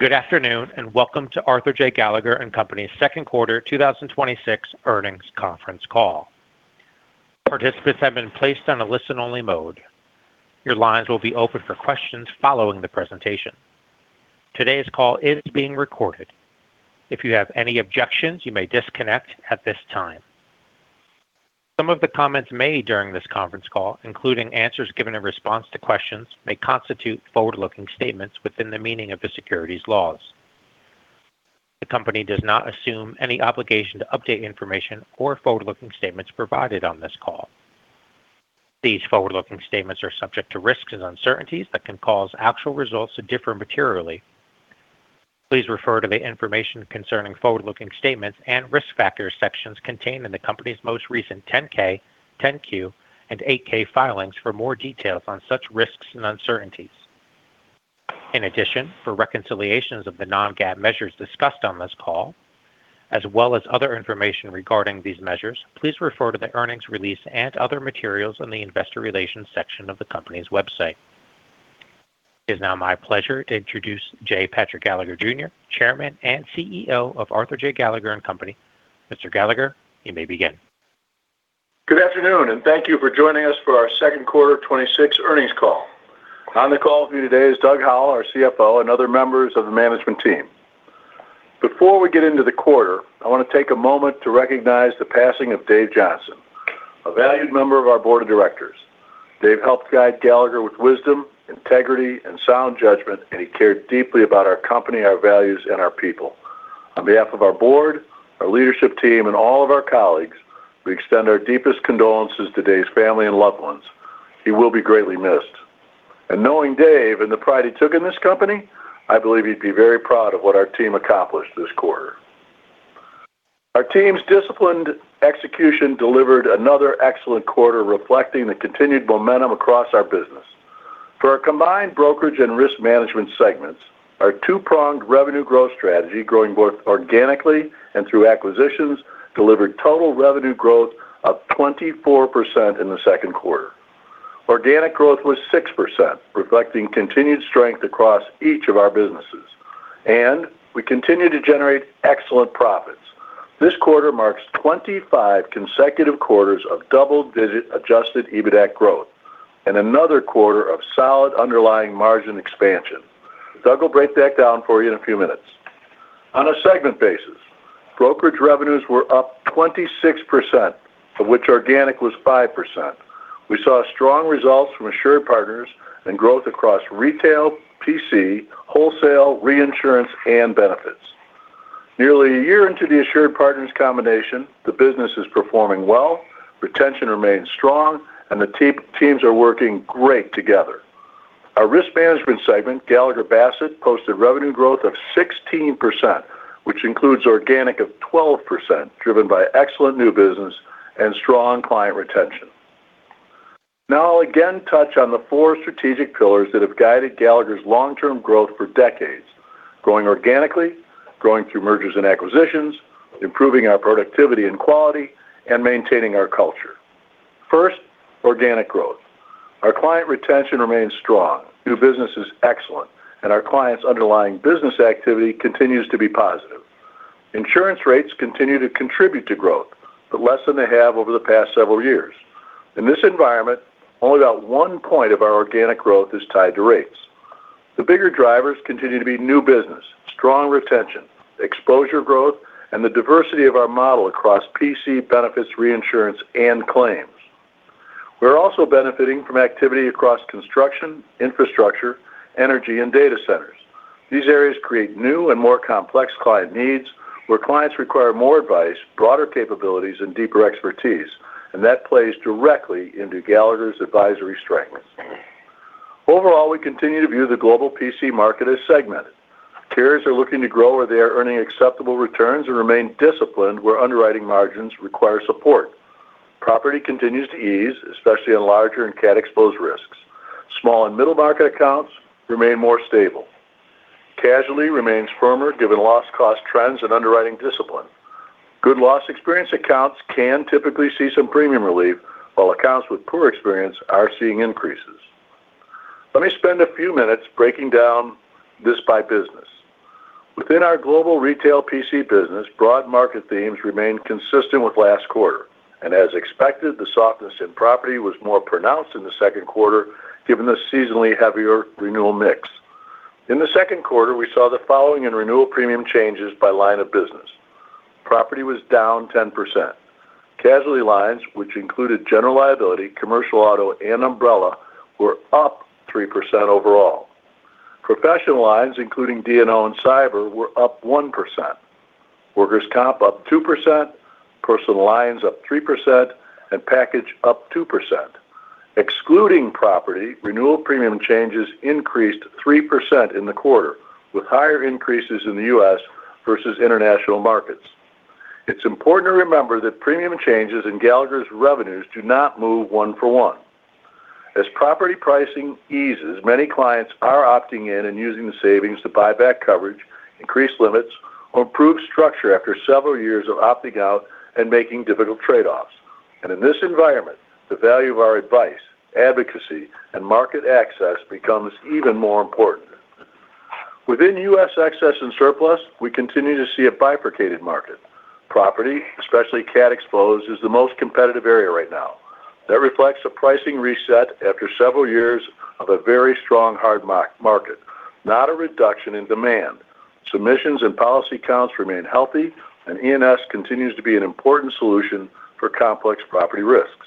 Good afternoon, and welcome to Arthur J. Gallagher & Co's second quarter 2026 earnings conference call. Participants have been placed on a listen-only mode. Your lines will be open for questions following the presentation. Today's call is being recorded. If you have any objections, you may disconnect at this time. Some of the comments made during this conference call, including answers given in response to questions, may constitute forward-looking statements within the meaning of the securities laws. The company does not assume any obligation to update information or forward-looking statements provided on this call. These forward-looking statements are subject to risks and uncertainties that can cause actual results to differ materially. Please refer to the Information Concerning Forward-looking Statements and Risk Factors sections contained in the company's most recent 10-K, 10-Q, and 8-K filings for more details on such risks and uncertainties. In addition, for reconciliations of the non-GAAP measures discussed on this call, as well as other information regarding these measures, please refer to the earnings release and other materials in the Investor Relations section of the company's website. It's now my pleasure to introduce J. Patrick Gallagher, Jr., Chairman and CEO of Arthur J. Gallagher & Co. Mr. Gallagher, you may begin. Good afternoon, and thank you for joining us for our second quarter 2026 earnings call. On the call with me today is Doug Howell, our CFO, and other members of the management team. Before we get into the quarter, I want to take a moment to recognize the passing of Dave Johnson, a valued member of our board of directors. Dave helped guide Gallagher with wisdom, integrity, and sound judgment, and he cared deeply about our company, our values, and our people. On behalf of our board, our leadership team, and all of our colleagues, we extend our deepest condolences to Dave's family and loved ones. He will be greatly missed. Knowing Dave and the pride he took in this company, I believe he'd be very proud of what our team accomplished this quarter. Our team's disciplined execution delivered another excellent quarter reflecting the continued momentum across our business. For our combined Brokerage and Risk Management segments, our two-pronged revenue growth strategy, growing both organically and through acquisitions, delivered total revenue growth of 24% in the second quarter. Organic growth was 6%, reflecting continued strength across each of our businesses. We continue to generate excellent profits. This quarter marks 25 consecutive quarters of double-digit adjusted EBITAC growth and another quarter of solid underlying margin expansion. Doug will break that down for you in a few minutes. On a segment basis, Brokerage revenues were up 26%, of which organic was 5%. We saw strong results from AssuredPartners and growth across retail, PC, wholesale, reinsurance, and benefits. Nearly a year into the AssuredPartners combination, the business is performing well, retention remains strong, and the teams are working great together. Our Risk Management segment, Gallagher Bassett, posted revenue growth of 16%, which includes organic of 12%, driven by excellent new business and strong client retention. I'll again touch on the four strategic pillars that have guided Gallagher's long-term growth for decades, growing organically, growing through mergers and acquisitions, improving our productivity and quality, and maintaining our culture. First, organic growth. Our client retention remains strong. New business is excellent, and our clients' underlying business activity continues to be positive. Insurance rates continue to contribute to growth, but less than they have over the past several years. In this environment, only about one point of our organic growth is tied to rates. The bigger drivers continue to be new business, strong retention, exposure growth, and the diversity of our model across PC, benefits, reinsurance, and claims. We're also benefiting from activity across construction, infrastructure, energy, and data centers. These areas create new and more complex client needs, where clients require more advice, broader capabilities, and deeper expertise, that plays directly into Gallagher's advisory strength. Overall, we continue to view the global PC market as segmented. Carriers are looking to grow where they are earning acceptable returns and remain disciplined where underwriting margins require support. Property continues to ease, especially on larger and cat-exposed risks. Small and middle-market accounts remain more stable. Casualty remains firmer given loss cost trends and underwriting discipline. Good loss experience accounts can typically see some premium relief, while accounts with poor experience are seeing increases. Let me spend a few minutes breaking down this by business. Within our global retail PC business, broad market themes remain consistent with last quarter. As expected, the softness in property was more pronounced in the second quarter given the seasonally heavier renewal mix. In the second quarter, we saw the following and renewal premium changes by line of business. Property was down 10%. Casualty lines, which included general liability, commercial auto, and umbrella, were up 3% overall. Professional lines, including D&O and cyber, were up 1%. Workers' comp up 2%, personal lines up 3%, and package up 2%. Excluding property, renewal premium changes increased 3% in the quarter, with higher increases in the U.S. versus international markets. It's important to remember that premium changes in Gallagher's revenues do not move one for one. As property pricing eases, many clients are opting in and using the savings to buy back coverage, increase limits, or improve structure after several years of opting out and making difficult trade-offs. In this environment, the value of our advice, advocacy, and market access becomes even more important. Within U.S. excess and surplus, we continue to see a bifurcated market. Property, especially cat-exposed, is the most competitive area right now. That reflects a pricing reset after several years of a very strong hard market, not a reduction in demand. Submissions and policy counts remain healthy, and E&S continues to be an important solution for complex property risks.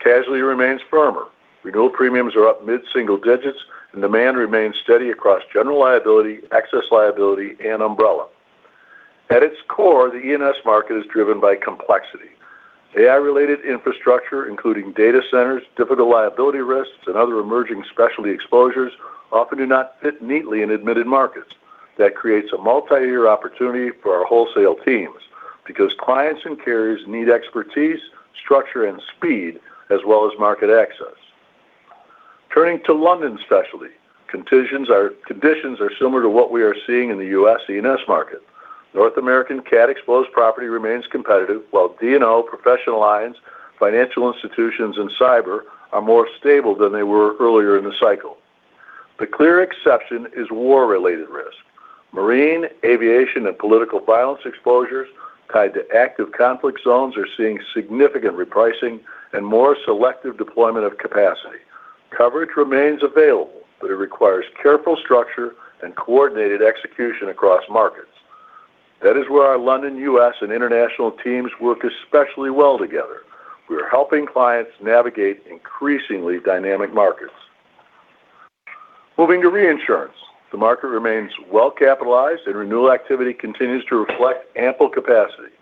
Casualty remains firmer. Renewal premiums are up mid-single digits, and demand remains steady across general liability, excess liability, and umbrella. At its core, the E&S market is driven by complexity. AI-related infrastructure, including data centers, difficult liability risks, and other emerging specialty exposures, often do not fit neatly in admitted markets. That creates a multi-year opportunity for our wholesale teams because clients and carriers need expertise, structure, and speed, as well as market access. Turning to London specialty, conditions are similar to what we are seeing in the U.S. E&S market. North American cat exposed property remains competitive, while D&O, professional lines, financial institutions, and cyber are more stable than they were earlier in the cycle. The clear exception is war-related risk. Marine, aviation, and political violence exposures tied to active conflict zones are seeing significant repricing and more selective deployment of capacity. Coverage remains available, but it requires careful structure and coordinated execution across markets. That is where our London, U.S., and international teams work especially well together. We are helping clients navigate increasingly dynamic markets. Moving to reinsurance. The market remains well-capitalized, and renewal activity continues to reflect ample capacity.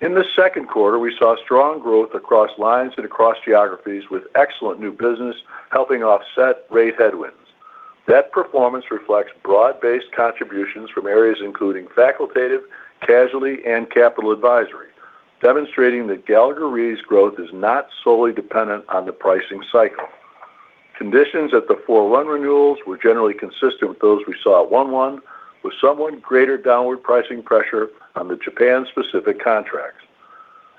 In the second quarter, we saw strong growth across lines and across geographies, with excellent new business helping offset rate headwinds. That performance reflects broad-based contributions from areas including facultative, casualty, and capital advisory, demonstrating that Gallagher Re's growth is not solely dependent on the pricing cycle. Conditions at the 4-1 renewals were generally consistent with those we saw at 1-1, with somewhat greater downward pricing pressure on the Japan-specific contracts.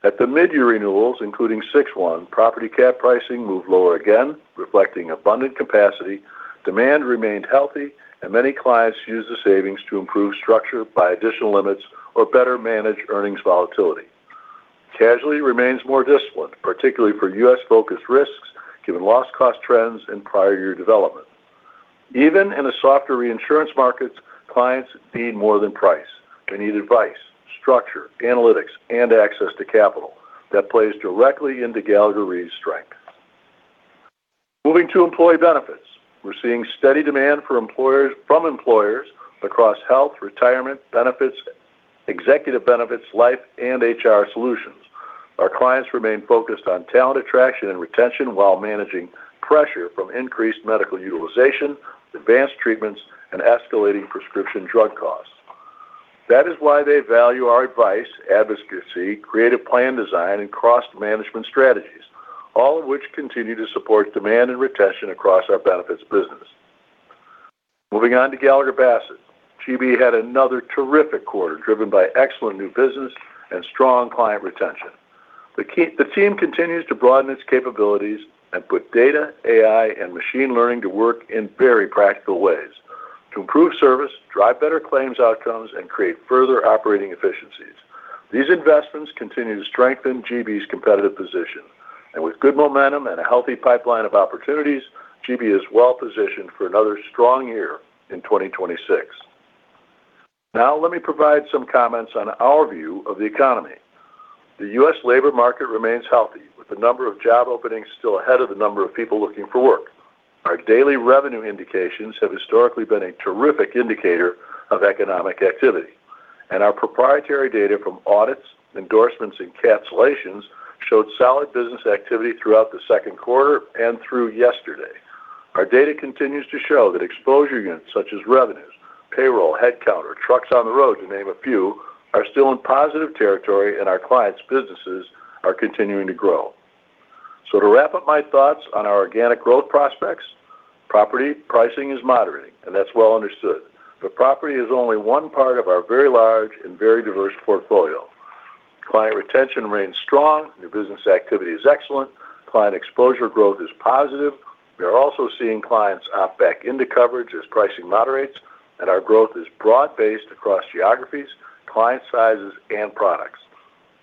At the mid-year renewals, including 6-1, property cat pricing moved lower again, reflecting abundant capacity, demand remained healthy, and many clients used the savings to improve structure by additional limits or better manage earnings volatility. Casualty remains more disciplined, particularly for U.S.-focused risks, given loss cost trends and prior year development. Even in a softer reinsurance markets, clients need more than price. They need advice, structure, analytics, and access to capital. That plays directly into Gallagher Re's strength. Moving to employee benefits. We're seeing steady demand from employers across health, retirement benefits, executive benefits, life, and HR solutions. Our clients remain focused on talent attraction and retention while managing pressure from increased medical utilization, advanced treatments, and escalating prescription drug costs. That is why they value our advice, advocacy, creative plan design, and cost management strategies, all of which continue to support demand and retention across our benefits business. Moving on to Gallagher Bassett. GB had another terrific quarter, driven by excellent new business and strong client retention. The team continues to broaden its capabilities and put data, AI, and machine learning to work in very practical ways to improve service, drive better claims outcomes, and create further operating efficiencies. These investments continue to strengthen GB's competitive position. With good momentum and a healthy pipeline of opportunities, GB is well-positioned for another strong year in 2026. Now let me provide some comments on our view of the economy. The U.S. labor market remains healthy, with the number of job openings still ahead of the number of people looking for work. Our daily revenue indications have historically been a terrific indicator of economic activity, and our proprietary data from audits, endorsements, and cancellations showed solid business activity throughout the second quarter and through yesterday. Our data continues to show that exposure units such as revenues, payroll, headcount, or trucks on the road, to name a few, are still in positive territory, and our clients' businesses are continuing to grow. To wrap up my thoughts on our organic growth prospects, property pricing is moderating, and that's well understood. Property is only one part of our very large and very diverse portfolio. Client retention remains strong. New business activity is excellent. Client exposure growth is positive. We are also seeing clients opt back into coverage as pricing moderates, our growth is broad-based across geographies, client sizes, and products.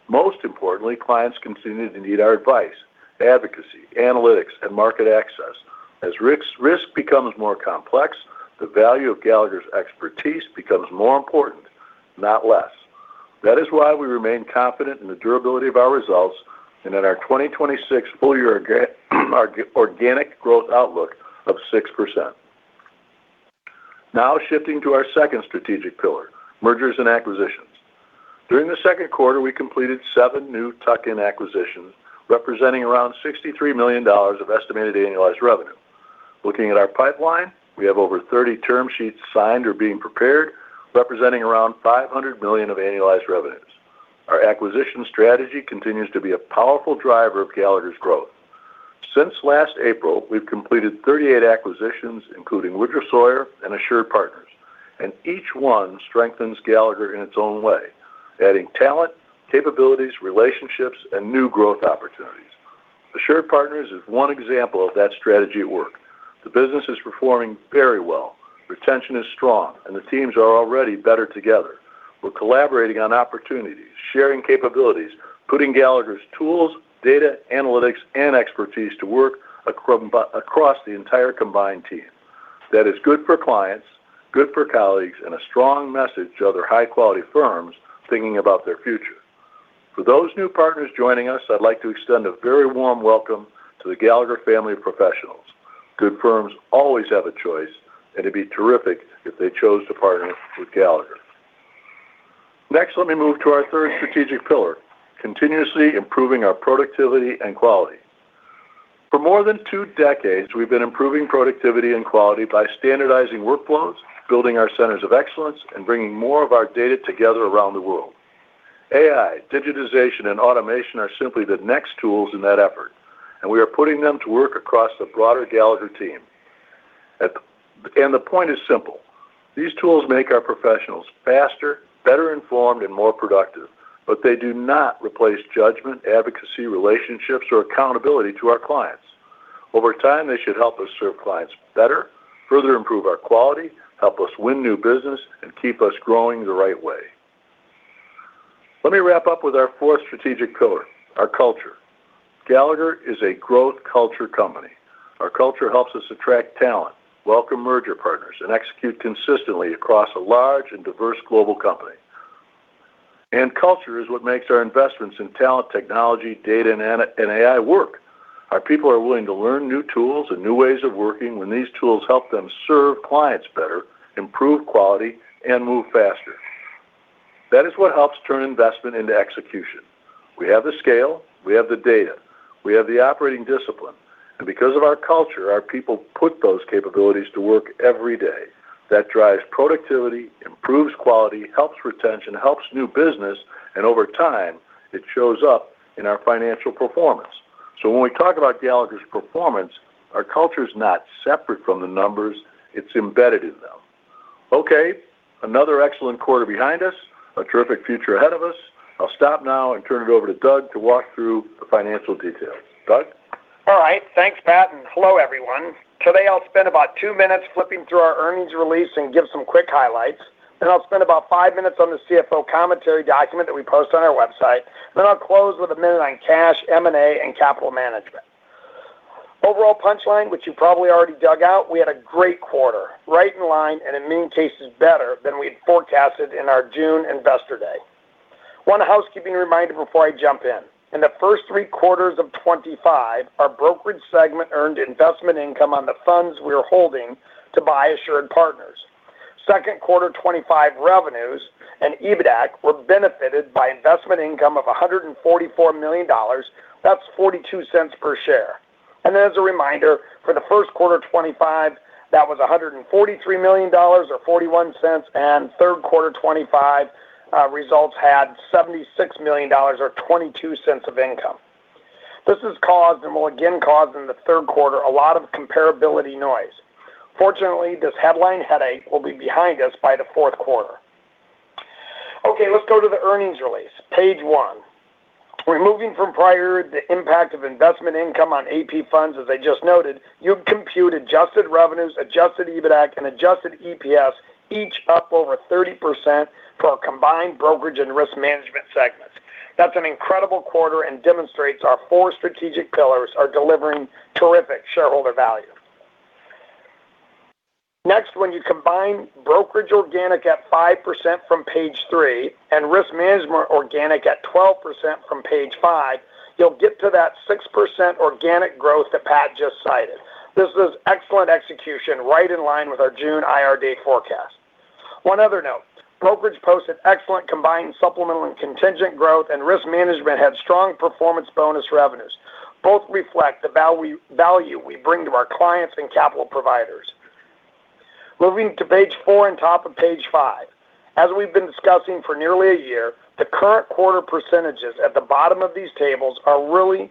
Most importantly, clients continue to need our advice, advocacy, analytics, and market access. As risk becomes more complex, the value of Gallagher's expertise becomes more important, not less. That is why we remain confident in the durability of our results and in our 2026 full-year organic growth outlook of 6%. Now shifting to our second strategic pillar, mergers and acquisitions. During the second quarter, we completed seven new tuck-in acquisitions, representing around $63 million of estimated annualized revenue. Looking at our pipeline, we have over 30 term sheets signed or being prepared, representing around $500 million of annualized revenues. Our acquisition strategy continues to be a powerful driver of Gallagher's growth. Since last April, we've completed 38 acquisitions, including Woodruff Sawyer and AssuredPartners. Each one strengthens Gallagher in its own way, adding talent, capabilities, relationships, and new growth opportunities. AssuredPartners is one example of that strategy at work. The business is performing very well. Retention is strong, the teams are already better together. We're collaborating on opportunities, sharing capabilities, putting Gallagher's tools, data, analytics, and expertise to work across the entire combined team. That is good for clients, good for colleagues, and a strong message to other high-quality firms thinking about their future. For those new partners joining us, I'd like to extend a very warm welcome to the Gallagher family of professionals. Good firms always have a choice, and it'd be terrific if they chose to partner with Gallagher. Next, let me move to our third strategic pillar, continuously improving our productivity and quality. For more than two decades, we've been improving productivity and quality by standardizing workflows, building our centers of excellence, and bringing more of our data together around the world. AI, digitization, and automation are simply the next tools in that effort, and we are putting them to work across the broader Gallagher team. The point is simple. These tools make our professionals faster, better informed, and more productive, but they do not replace judgment, advocacy, relationships, or accountability to our clients. Over time, they should help us serve clients better, further improve our quality, help us win new business, and keep us growing the right way. Let me wrap up with our fourth strategic pillar, our culture. Gallagher is a growth culture company. Our culture helps us attract talent, welcome merger partners, and execute consistently across a large and diverse global company. Culture is what makes our investments in talent, technology, data, and AI work. Our people are willing to learn new tools and new ways of working when these tools help them serve clients better, improve quality, and move faster. That is what helps turn investment into execution. We have the scale. We have the data. We have the operating discipline. Because of our culture, our people put those capabilities to work every day. That drives productivity, improves quality, helps retention, helps new business, and over time, it shows up in our financial performance. When we talk about Gallagher's performance, our culture's not separate from the numbers, it's embedded in them. Okay, another excellent quarter behind us, a terrific future ahead of us. I'll stop now and turn it over to Doug to walk through the financial details. Doug? All right. Thanks, Pat, and hello, everyone. Today, I'll spend about two minutes flipping through our earnings release and give some quick highlights. Then I'll spend about five minutes on the CFO Commentary document that we post on our website. Then I'll close with a minute on cash, M&A, and capital management. Overall punchline, which you probably already dug out, we had a great quarter, right in line, and in many cases, better than we'd forecasted in our June Investor Day. One housekeeping reminder before I jump in. In the first three quarters of 2025, our Brokerage segment earned investment income on the funds we are holding to buy AssuredPartners. Second quarter 2025 revenues and EBITAC were benefited by investment income of $144 million. That's $0.42 per share. As a reminder, for the first quarter 2025, that was $143 million or $0.41, and third quarter 2025 results had $76 million or $0.22 of income. This has caused, and will again cause in the third quarter, a lot of comparability noise. Fortunately, this headline headache will be behind us by the fourth quarter. Let's go to the earnings release, page one. Removing from prior the impact of investment income on AP funds, as I just noted, you compute adjusted revenues, adjusted EBITAC, and adjusted EPS, each up over 30% for our combined Brokerage and Risk Management segments. That's an incredible quarter and demonstrates our four strategic pillars are delivering terrific shareholder value. When you combine Brokerage organic at 5% from page three and Risk Management organic at 12% from page five, you'll get to that 6% organic growth that Pat just cited. This is excellent execution right in line with our June IR Day forecast. One other note, Brokerage posted excellent combined supplemental and contingent growth, and Risk Management had strong performance bonus revenues. Both reflect the value we bring to our clients and capital providers. Moving to page four and top of page five. As we've been discussing for nearly a year, the current quarter percentages at the bottom of these tables are really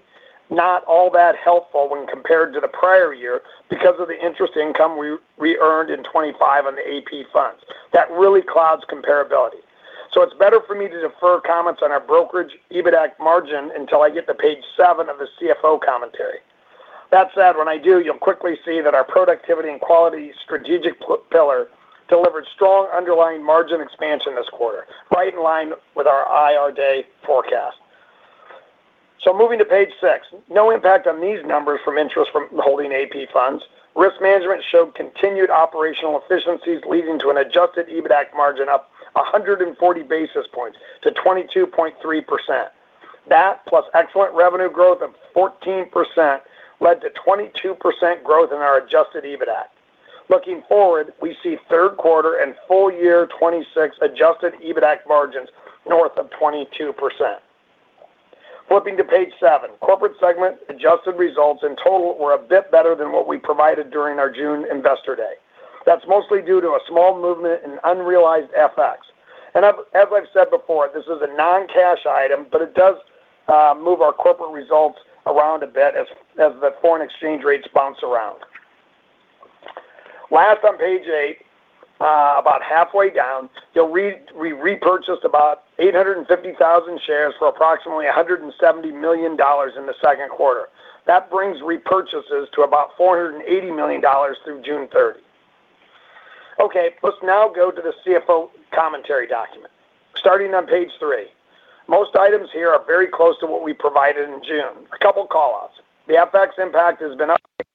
not all that helpful when compared to the prior year because of the interest income we earned in 2025 on the AP funds. That really clouds comparability. It's better for me to defer comments on our Brokerage EBITAC margin until I get to page seven of the CFO Commentary. That said, when I do, you'll quickly see that our productivity and quality strategic pillar delivered strong underlying margin expansion this quarter, right in line with our IR Day forecast. Moving to page six. No impact on these numbers from interest from holding AP funds. Risk Management showed continued operational efficiencies, leading to an adjusted EBITAC margin up 140 basis points to 22.3%. That, plus excellent revenue growth of 14%, led to 22% growth in our adjusted EBITAC. Looking forward, we see third quarter and full year 2026 adjusted EBITAC margins north of 22%. Flipping to page seven. Corporate segment adjusted results in total were a bit better than what we provided during our June Investor Day. That's mostly due to a small movement in unrealized FX. As I've said before, this is a non-cash item, but it does move our corporate results around a bit as the foreign exchange rates bounce around. Last on page eight, about halfway down, you will read we repurchased about 850,000 shares for approximately $170 million in the second quarter. That brings repurchases to about $480 million through June 30. Let's now go to the CFO Commentary document, starting on page three. Most items here are very close to what we provided in June. A couple call-outs. The FX impact has been updated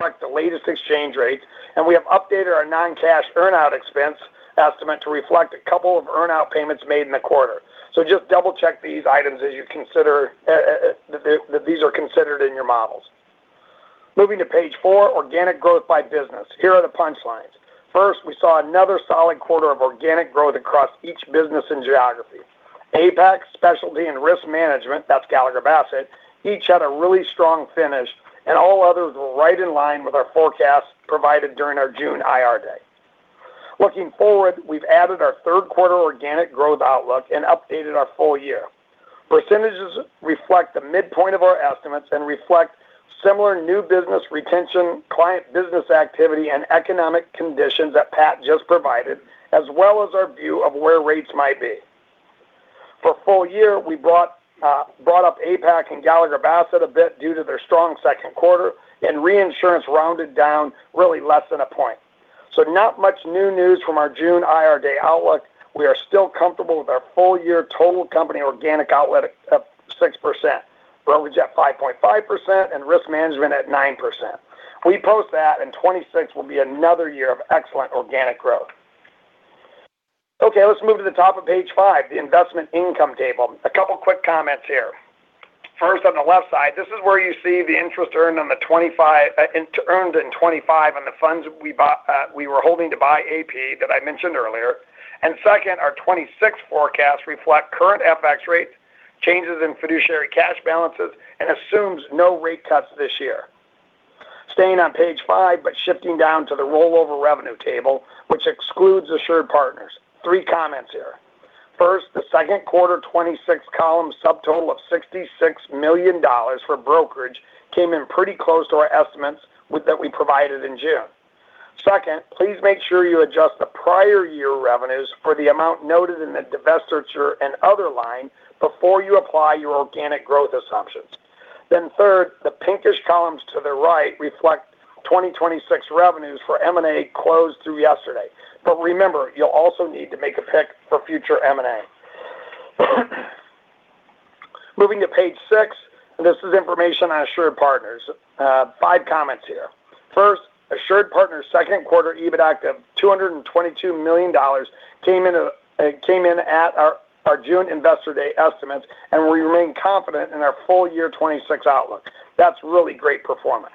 to the latest exchange rates, and we have updated our non-cash earn-out expense estimate to reflect a couple of earn-out payments made in the quarter. Just double-check these items that these are considered in your models. Moving to page four, organic growth by business. Here are the punchlines. First, we saw another solid quarter of organic growth across each business and geography. APAC, Specialty, and Risk Management, that is Gallagher Bassett, each had a really strong finish, and all others were right in line with our forecast provided during our June IR Day. Looking forward, we have added our third quarter organic growth outlook and updated our full year. Percentages reflect the midpoint of our estimates and reflect similar new business retention, client business activity, and economic conditions that Pat just provided, as well as our view of where rates might be. For full year, we brought up APAC and Gallagher Bassett a bit due to their strong second quarter, and reinsurance rounded down really less than one point. Not much new news from our June IR Day outlook. We are still comfortable with our full year total company organic outlook of 6%, Brokerage at 5.5% and Risk Management at 9%. We project that, and 2026 will be another year of excellent organic growth. Let's move to the top of page five, the investment income table. A couple of quick comments here. First, on the left side, this is where you see the interest earned in 2025 on the funds we were holding to buy AP that I mentioned earlier. Second, our 2026 forecasts reflect current FX rates, changes in fiduciary cash balances, and assumes no rate cuts this year. Staying on page five, shifting down to the rollover revenue table, which excludes AssuredPartners. Three comments here. First, the second quarter 2026 column subtotal of $66 million for Brokerage came in pretty close to our estimates that we provided in June. Second, please make sure you adjust the prior year revenues for the amount noted in the divestiture and other line before you apply your organic growth assumptions. Third, the pinkish columns to the right reflect 2026 revenues for M&A closed through yesterday. Remember, you will also need to make a pick for future M&A. Moving to page six, this is information on AssuredPartners. Five comments here. First, AssuredPartners' second quarter EBITA of $222 million came in at our June Investor Day estimates, and we remain confident in our full year 2026 outlook. That is really great performance.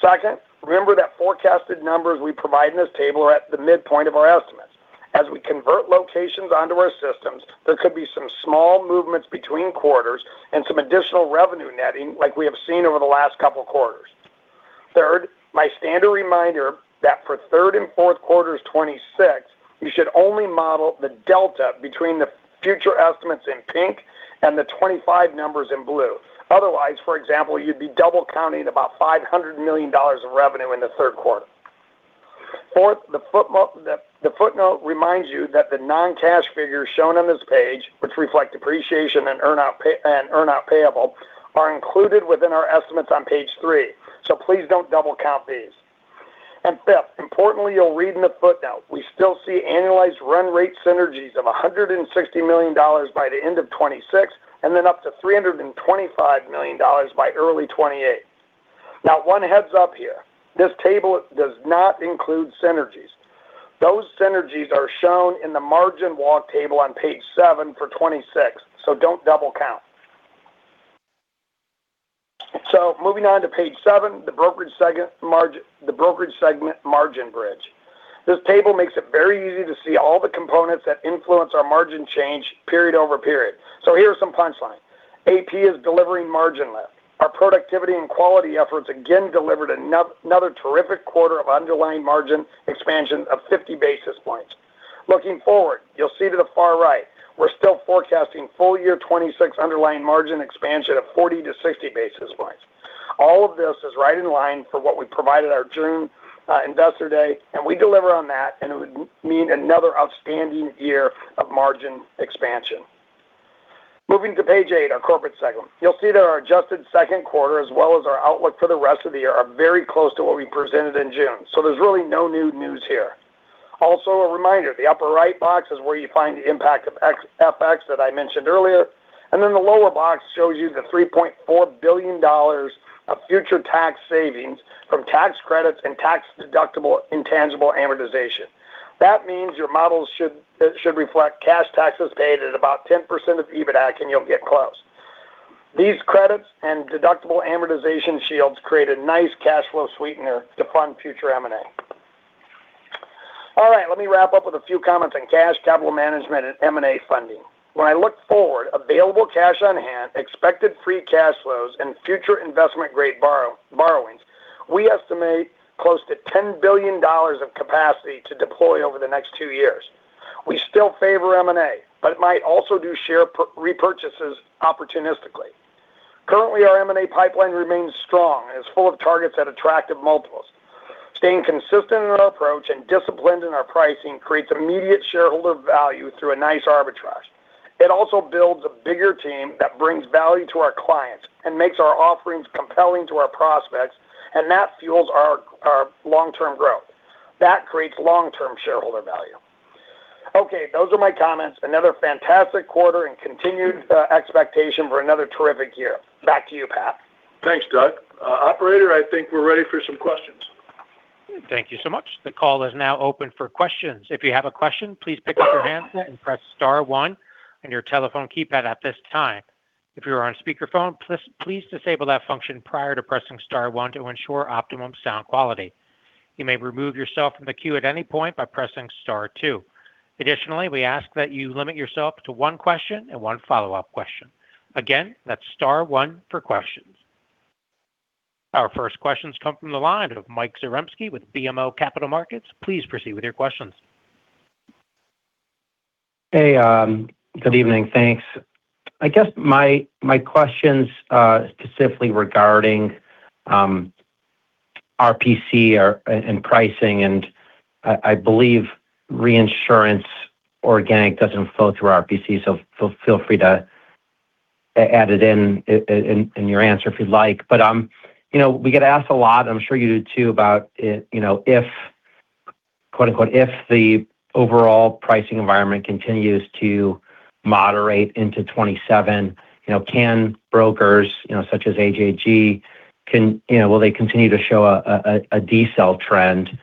Second, remember that forecasted numbers we provide in this table are at the midpoint of our estimates. As we convert locations onto our systems, there could be some small movements between quarters and some additional revenue netting like we have seen over the last couple quarters. Third, my standard reminder that for third and fourth quarters 2026, you should only model the delta between the future estimates in pink and the 2025 numbers in blue. Otherwise, for example, you'd be double counting about $500 million of revenue in the third quarter. Fourth, the footnote reminds you that the non-cash figures shown on this page, which reflect depreciation and earn-out payable, are included within our estimates on page three. Please don't double count these. Fifth, importantly, you'll read in the footnote, we still see annualized run rate synergies of $160 million by the end of 2026, and then up to $325 million by early 2028. One heads up here, this table does not include synergies. Those synergies are shown in the margin walk table on page seven for 2026. Don't double count. Moving on to page seven, the Brokerage segment margin bridge. This table makes it very easy to see all the components that influence our margin change period over period. Here are some punchlines. AP is delivering margin lift. Our productivity and quality efforts again delivered another terrific quarter of underlying margin expansion of 50 basis points. Looking forward, you'll see to the far right, we're still forecasting full year 2026 underlying margin expansion of 40 to 60 basis points. All of this is right in line for what we provided our June Investor Day, and we deliver on that, and it would mean another outstanding year of margin expansion. Moving to page eight, our corporate segment. You'll see that our adjusted second quarter, as well as our outlook for the rest of the year, are very close to what we presented in June. There's really no new news here. A reminder, the upper right box is where you find the impact of FX that I mentioned earlier, and then the lower box shows you the $3.4 billion of future tax savings from tax credits and tax-deductible intangible amortization. That means your models should reflect cash taxes paid at about 10% of EBITA, and you'll get close. These credits and deductible amortization shields create a nice cash flow sweetener to fund future M&A. All right. Let me wrap up with a few comments on cash, capital management, and M&A funding. When I look forward, available cash on hand, expected free cash flows, and future investment-grade borrowings, we estimate close to $10 billion of capacity to deploy over the next two years. We still favor M&A, but might also do share repurchases opportunistically. Currently, our M&A pipeline remains strong and is full of targets at attractive multiples. Staying consistent in our approach and disciplined in our pricing creates immediate shareholder value through a nice arbitrage. It also builds a bigger team that brings value to our clients and makes our offerings compelling to our prospects, and that fuels our long-term growth. That creates long-term shareholder value. Okay, those are my comments. Another fantastic quarter and continued expectation for another terrific year. Back to you, Pat. Thanks, Doug. Operator, I think we're ready for some questions. Thank you so much. The call is now open for questions. If you have a question, please pick up your handset and press star one on your telephone keypad at this time. If you are on speakerphone, please disable that function prior to pressing star one to ensure optimum sound quality. You may remove yourself from the queue at any point by pressing star two. Additionally, we ask that you limit yourself to one question and one follow-up question. Again, that's star one for questions. Our first questions come from the line of Mike Zaremski with BMO Capital Markets. Please proceed with your questions. Hey, good evening. Thanks. I guess my question's specifically regarding RPC and pricing. I believe reinsurance organic doesn't flow through RPC, so feel free to add it in your answer if you'd like. We get asked a lot, I'm sure you do too, about if quote-unquote, "If the overall pricing environment continues to moderate into 2027, can brokers such as AJG, will they continue to show a decel trend?"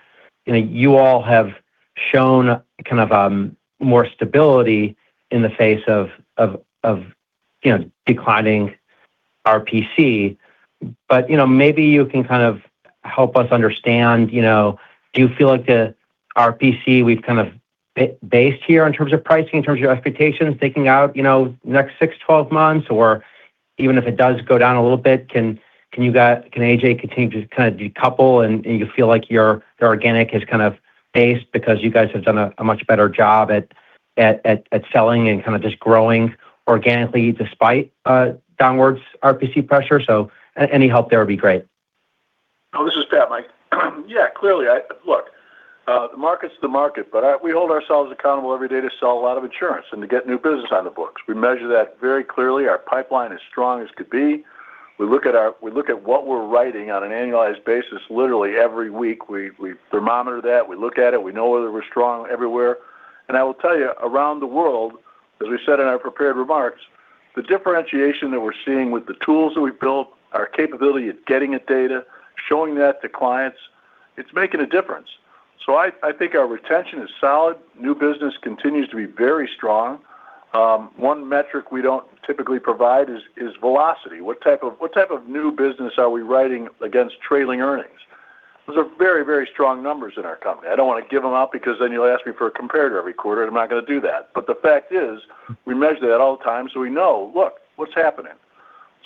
You all have shown more stability in the face of declining RPC. Maybe you can kind of help us understand, do you feel like the RPC we've kind of based here in terms of pricing, in terms of your expectations, thinking out next six, 12 months, or even if it does go down a little bit, can AJ continue to kind of decouple, and you feel like your organic has kind of based because you guys have done a much better job at selling and kind of just growing organically despite downwards RPC pressure? Any help there would be great. No, this is Pat, Mike. Yeah, clearly. Look, the market's the market, but we hold ourselves accountable every day to sell a lot of insurance and to get new business on the books. We measure that very clearly. Our pipeline is strong as could be. We look at what we're writing on an annualized basis literally every week. We thermometer that. We look at it. We know whether we're strong everywhere. I will tell you, around the world, as we said in our prepared remarks, the differentiation that we're seeing with the tools that we've built, our capability at getting at data, showing that to clients, it's making a difference. I think our retention is solid. New business continues to be very strong. One metric we don't typically provide is velocity. What type of new business are we writing against trailing earnings? Those are very, very strong numbers in our company. I don't want to give them out because then you'll ask me for a comparator every quarter, and I'm not going to do that. The fact is, we measure that all the time, so we know, look, what's happening.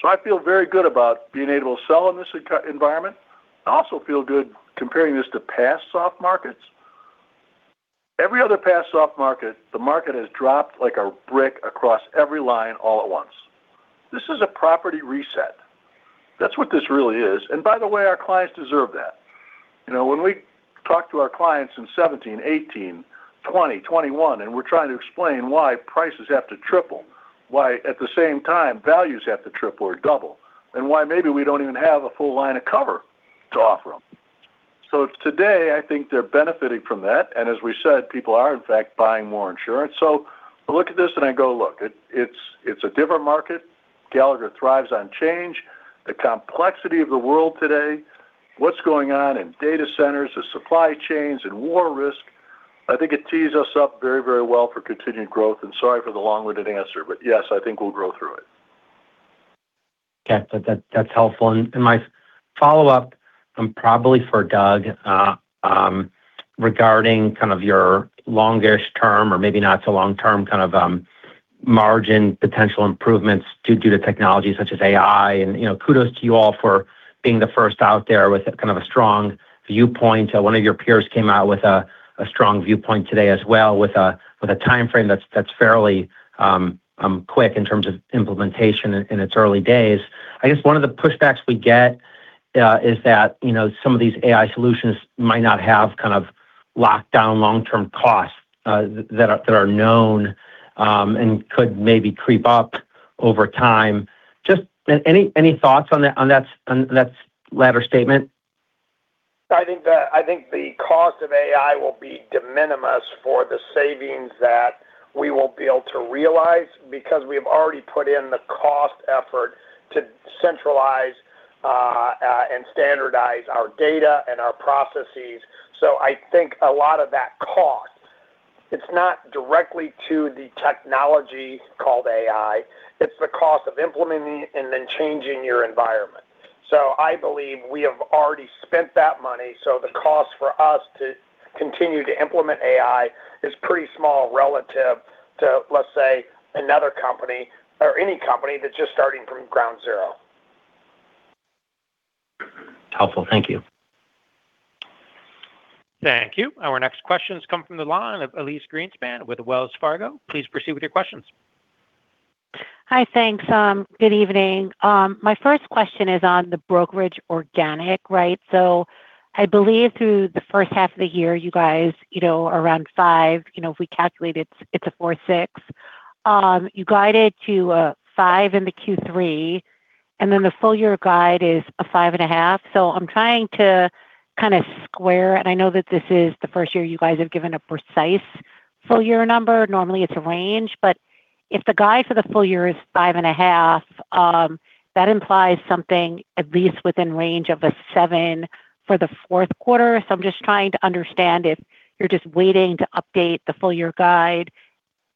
I feel very good about being able to sell in this environment. I also feel good comparing this to past soft markets. Every other past soft market, the market has dropped like a brick across every line all at once. This is a property reset. That's what this really is. By the way, our clients deserve that. When we talk to our clients in 2017, 2018, 2020, 2021, we're trying to explain why prices have to triple, why at the same time, values have to triple or double, and why maybe we don't even have a full line of cover to offer them. Today, I think they're benefiting from that, and as we said, people are in fact buying more insurance. I look at this and I go, look, it's a different market. Gallagher thrives on change, the complexity of the world today, what's going on in data centers, the supply chains, and war risk. I think it tees us up very, very well for continued growth, sorry for the long-winded answer, but yes, I think we'll grow through it. Okay. That's helpful. My follow-up, probably for Doug, regarding your longish term or maybe not so long-term kind of margin potential improvements due to technology such as AI, and kudos to you all for being the first out there with kind of a strong viewpoint. One of your peers came out with a strong viewpoint today as well, with a timeframe that's fairly quick in terms of implementation in its early days. I guess one of the pushbacks we get is that some of these AI solutions might not have kind of locked down long-term costs that are known and could maybe creep up over time. Just any thoughts on that latter statement? I think the cost of AI will be de minimis for the savings that we will be able to realize because we have already put in the cost effort to centralize and standardize our data and our processes. I think a lot of that cost, it's not directly to the technology called AI, it's the cost of implementing it and then changing your environment. I believe we have already spent that money, so the cost for us to continue to implement AI is pretty small relative to, let's say, another company or any company that's just starting from ground zero. Helpful. Thank you. Thank you. Our next questions come from the line of Elyse Greenspan with Wells Fargo. Please proceed with your questions. Hi. Thanks. Good evening. My first question is on the Brokerage organic. I believe through the first half of the year, you guys, around 5%. If we calculate it's a 4.6%. You guided to a 5% in the Q3, and then the full year guide is a 5.5%. I'm trying to square, and I know that this is the first year you guys have given a precise full year number. Normally, it's a range. But if the guide for the full year is 5.5%, that implies something at least within range of a 7% for the fourth quarter. I'm just trying to understand if you're just waiting to update the full year guide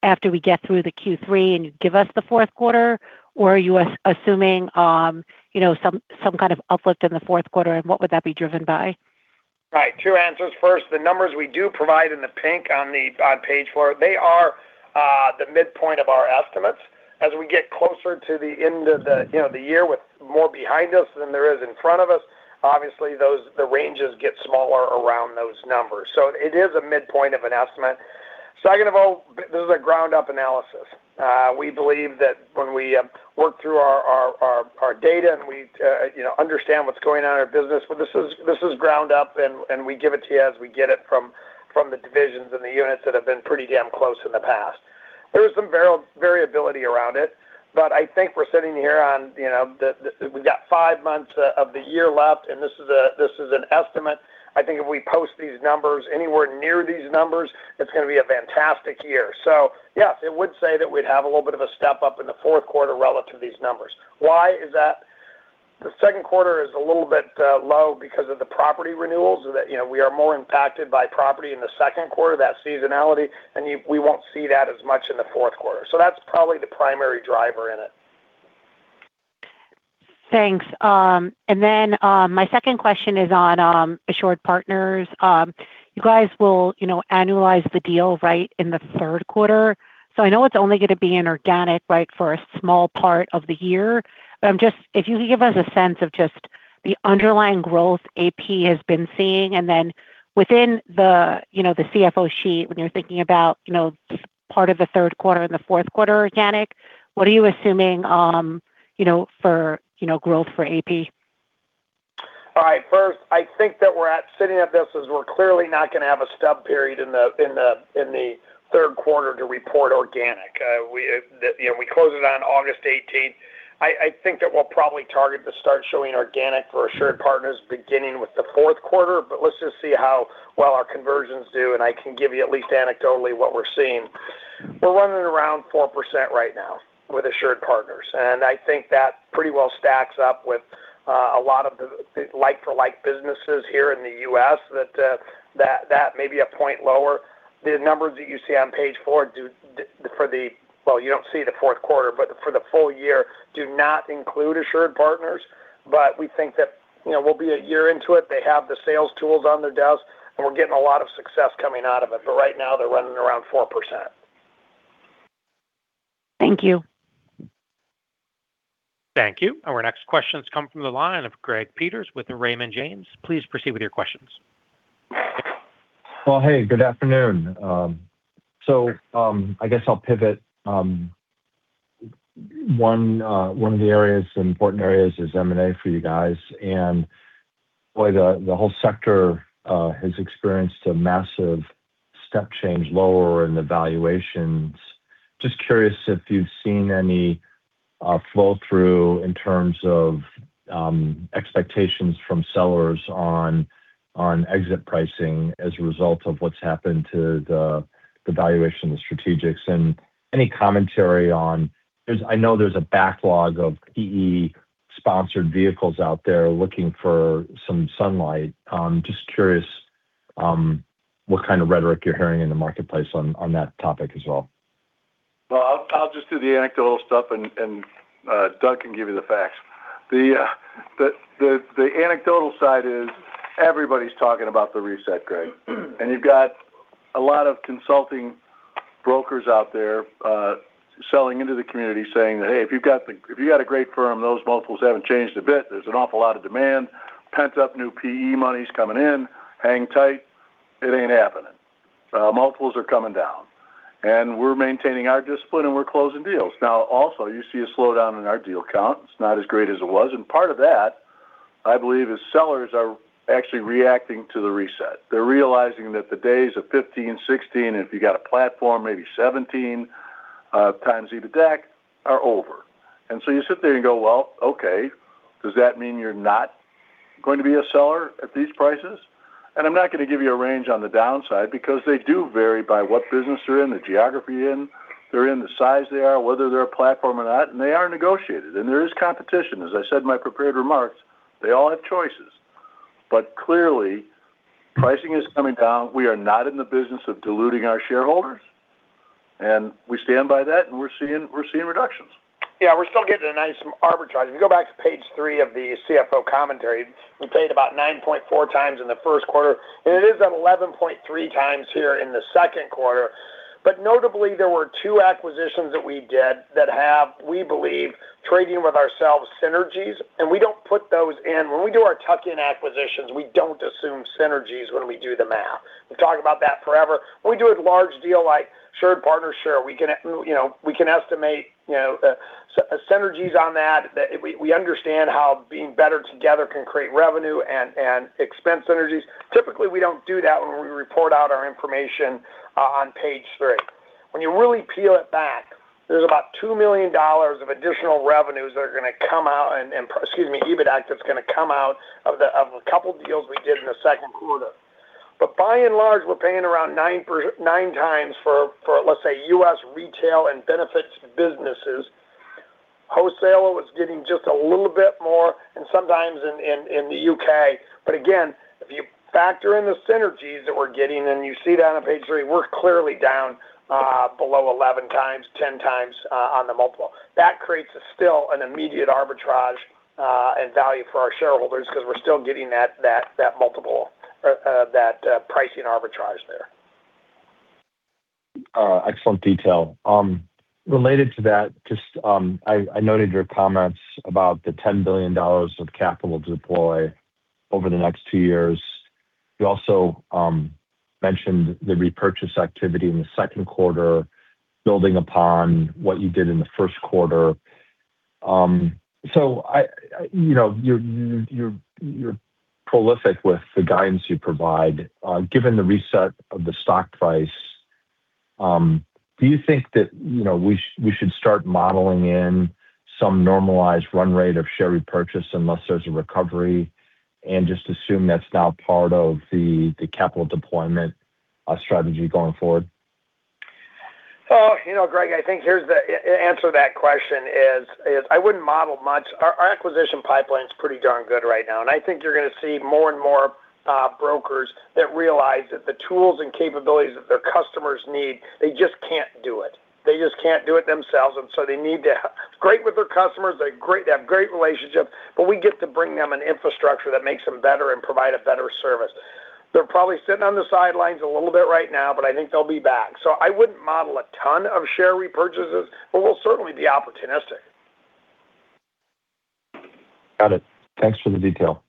after we get through the Q3, and you give us the fourth quarter, or are you assuming some kind of uplift in the fourth quarter, and what would that be driven by? Right. Two answers. First, the numbers we do provide in the pink on page four, they are the midpoint of our estimates. As we get closer to the end of the year with more behind us than there is in front of us, obviously the ranges get smaller around those numbers. It is a midpoint of an estimate. Second of all, this is a ground-up analysis. We believe that when we work through our data and we understand what's going on in our business, this is ground up and we give it to you as we get it from the divisions and the units that have been pretty damn close in the past. There is some variability around it, but I think we're sitting here. We've got five months of the year left, this is an estimate. I think if we post these numbers anywhere near these numbers, it's going to be a fantastic year. Yes, it would say that we'd have a little bit of a step up in the fourth quarter relative to these numbers. Why is that? The second quarter is a little bit low because of the property renewals, that we are more impacted by property in the second quarter, that seasonality, and we won't see that as much in the fourth quarter. That's probably the primary driver in it. Thanks. My second question is on AssuredPartners. You guys will annualize the deal right in the third quarter. I know it's only going to be in organic for a small part of the year. If you could give us a sense of just the underlying growth AP has been seeing, and then within the CFO sheet, when you're thinking about part of the third quarter and the fourth quarter organic, what are you assuming for growth for AP? All right. First, I think that we're clearly not going to have a stub period in the third quarter to report organic. We close it on August 18th. I think that we'll probably target to start showing organic for AssuredPartners beginning with the fourth quarter, but let's just see how well our conversions do, and I can give you at least anecdotally what we're seeing. We're running around 4% right now with AssuredPartners, and I think that pretty well stacks up with a lot of the like for like businesses here in the U.S. that may be a point lower. The numbers that you see on page four do, for the full year, do not include AssuredPartners. We think that we'll be a year into it. They have the sales tools on their desks, and we're getting a lot of success coming out of it. Right now, they're running around 4%. Thank you. Thank you. Our next questions come from the line of Greg Peters with Raymond James. Please proceed with your questions. Well, hey, good afternoon. I guess I'll pivot. One of the important areas is M&A for you guys. Boy, the whole sector has experienced a massive step change lower in the valuations. Just curious if you've seen any flow-through in terms of expectations from sellers on exit pricing as a result of what's happened to the valuation, the strategics. Any commentary on, I know there's a backlog of PE-sponsored vehicles out there looking for some sunlight. Just curious what kind of rhetoric you're hearing in the marketplace on that topic as well. Well, I'll just do the anecdotal stuff and Doug can give you the facts. The anecdotal side is everybody's talking about the reset, Greg. You've got a lot of consulting brokers out there selling into the community, saying that, "Hey, if you've got a great firm, those multiples haven't changed a bit. There's an awful lot of demand. Pent-up new PE money's coming in. Hang tight." It ain't happening. Multiples are coming down. We're maintaining our discipline and we're closing deals. Now, also, you see a slowdown in our deal count. It's not as great as it was. Part of that, I believe, is sellers are actually reacting to the reset. They're realizing that the days of 15x, 16x, and if you've got a platform, maybe 17x EBITAC are over. You sit there and go, "Well, okay. Does that mean you're not going to be a seller at these prices?" I'm not going to give you a range on the downside because they do vary by what business they're in, the geography they're in, the size they are, whether they're a platform or not, and they are negotiated. There is competition. As I said in my prepared remarks, they all have choices. Clearly, pricing is coming down. We are not in the business of diluting our shareholders We stand by that, and we're seeing reductions. We're still getting a nice arbitrage. If you go back to page three of the CFO Commentary, we paid about 9.4x in the first quarter, and it is at 11.3x here in the second quarter. Notably, there were two acquisitions that we did that have, we believe, trading-with-ourselves synergies, and we don't put those in. When we do our tuck-in acquisitions, we don't assume synergies when we do the math. We've talked about that forever. When we do a large deal like AssuredPartners, we can estimate synergies on that, we understand how being better together can create revenue and expense synergies. Typically, we don't do that when we report out our information on page three. When you really peel it back, there's about $2 million of additional revenues that are going to come out and, excuse me, EBITAC that's going to come out of a couple deals we did in the second quarter. By and large, we're paying around 9x for, let's say, U.S. retail and benefits businesses. Wholesale was getting just a little bit more, and sometimes in the U.K. Again, if you factor in the synergies that we're getting, and you see that on page three, we're clearly down below 11x, 10x on the multiple. That creates still an immediate arbitrage and value for our shareholders because we're still getting that multiple or that pricing arbitrage there. Excellent detail. Related to that, just I noted your comments about the $10 billion of capital to deploy over the next two years. You also mentioned the repurchase activity in the second quarter, building upon what you did in the first quarter. You're prolific with the guidance you provide. Given the reset of the stock price, do you think that we should start modeling in some normalized run rate of share repurchase unless there's a recovery and just assume that's now part of the capital deployment strategy going forward? Greg, I think here's the answer to that question is, I wouldn't model much. Our acquisition pipeline's pretty darn good right now. I think you're going to see more and more brokers that realize that the tools and capabilities that their customers need, they just can't do it. They just can't do it themselves. Great with their customers, they have great relationships, we get to bring them an infrastructure that makes them better and provide a better service. They're probably sitting on the sidelines a little bit right now. I think they'll be back. I wouldn't model a ton of share repurchases, but we'll certainly be opportunistic. Got it. Thanks for the detail.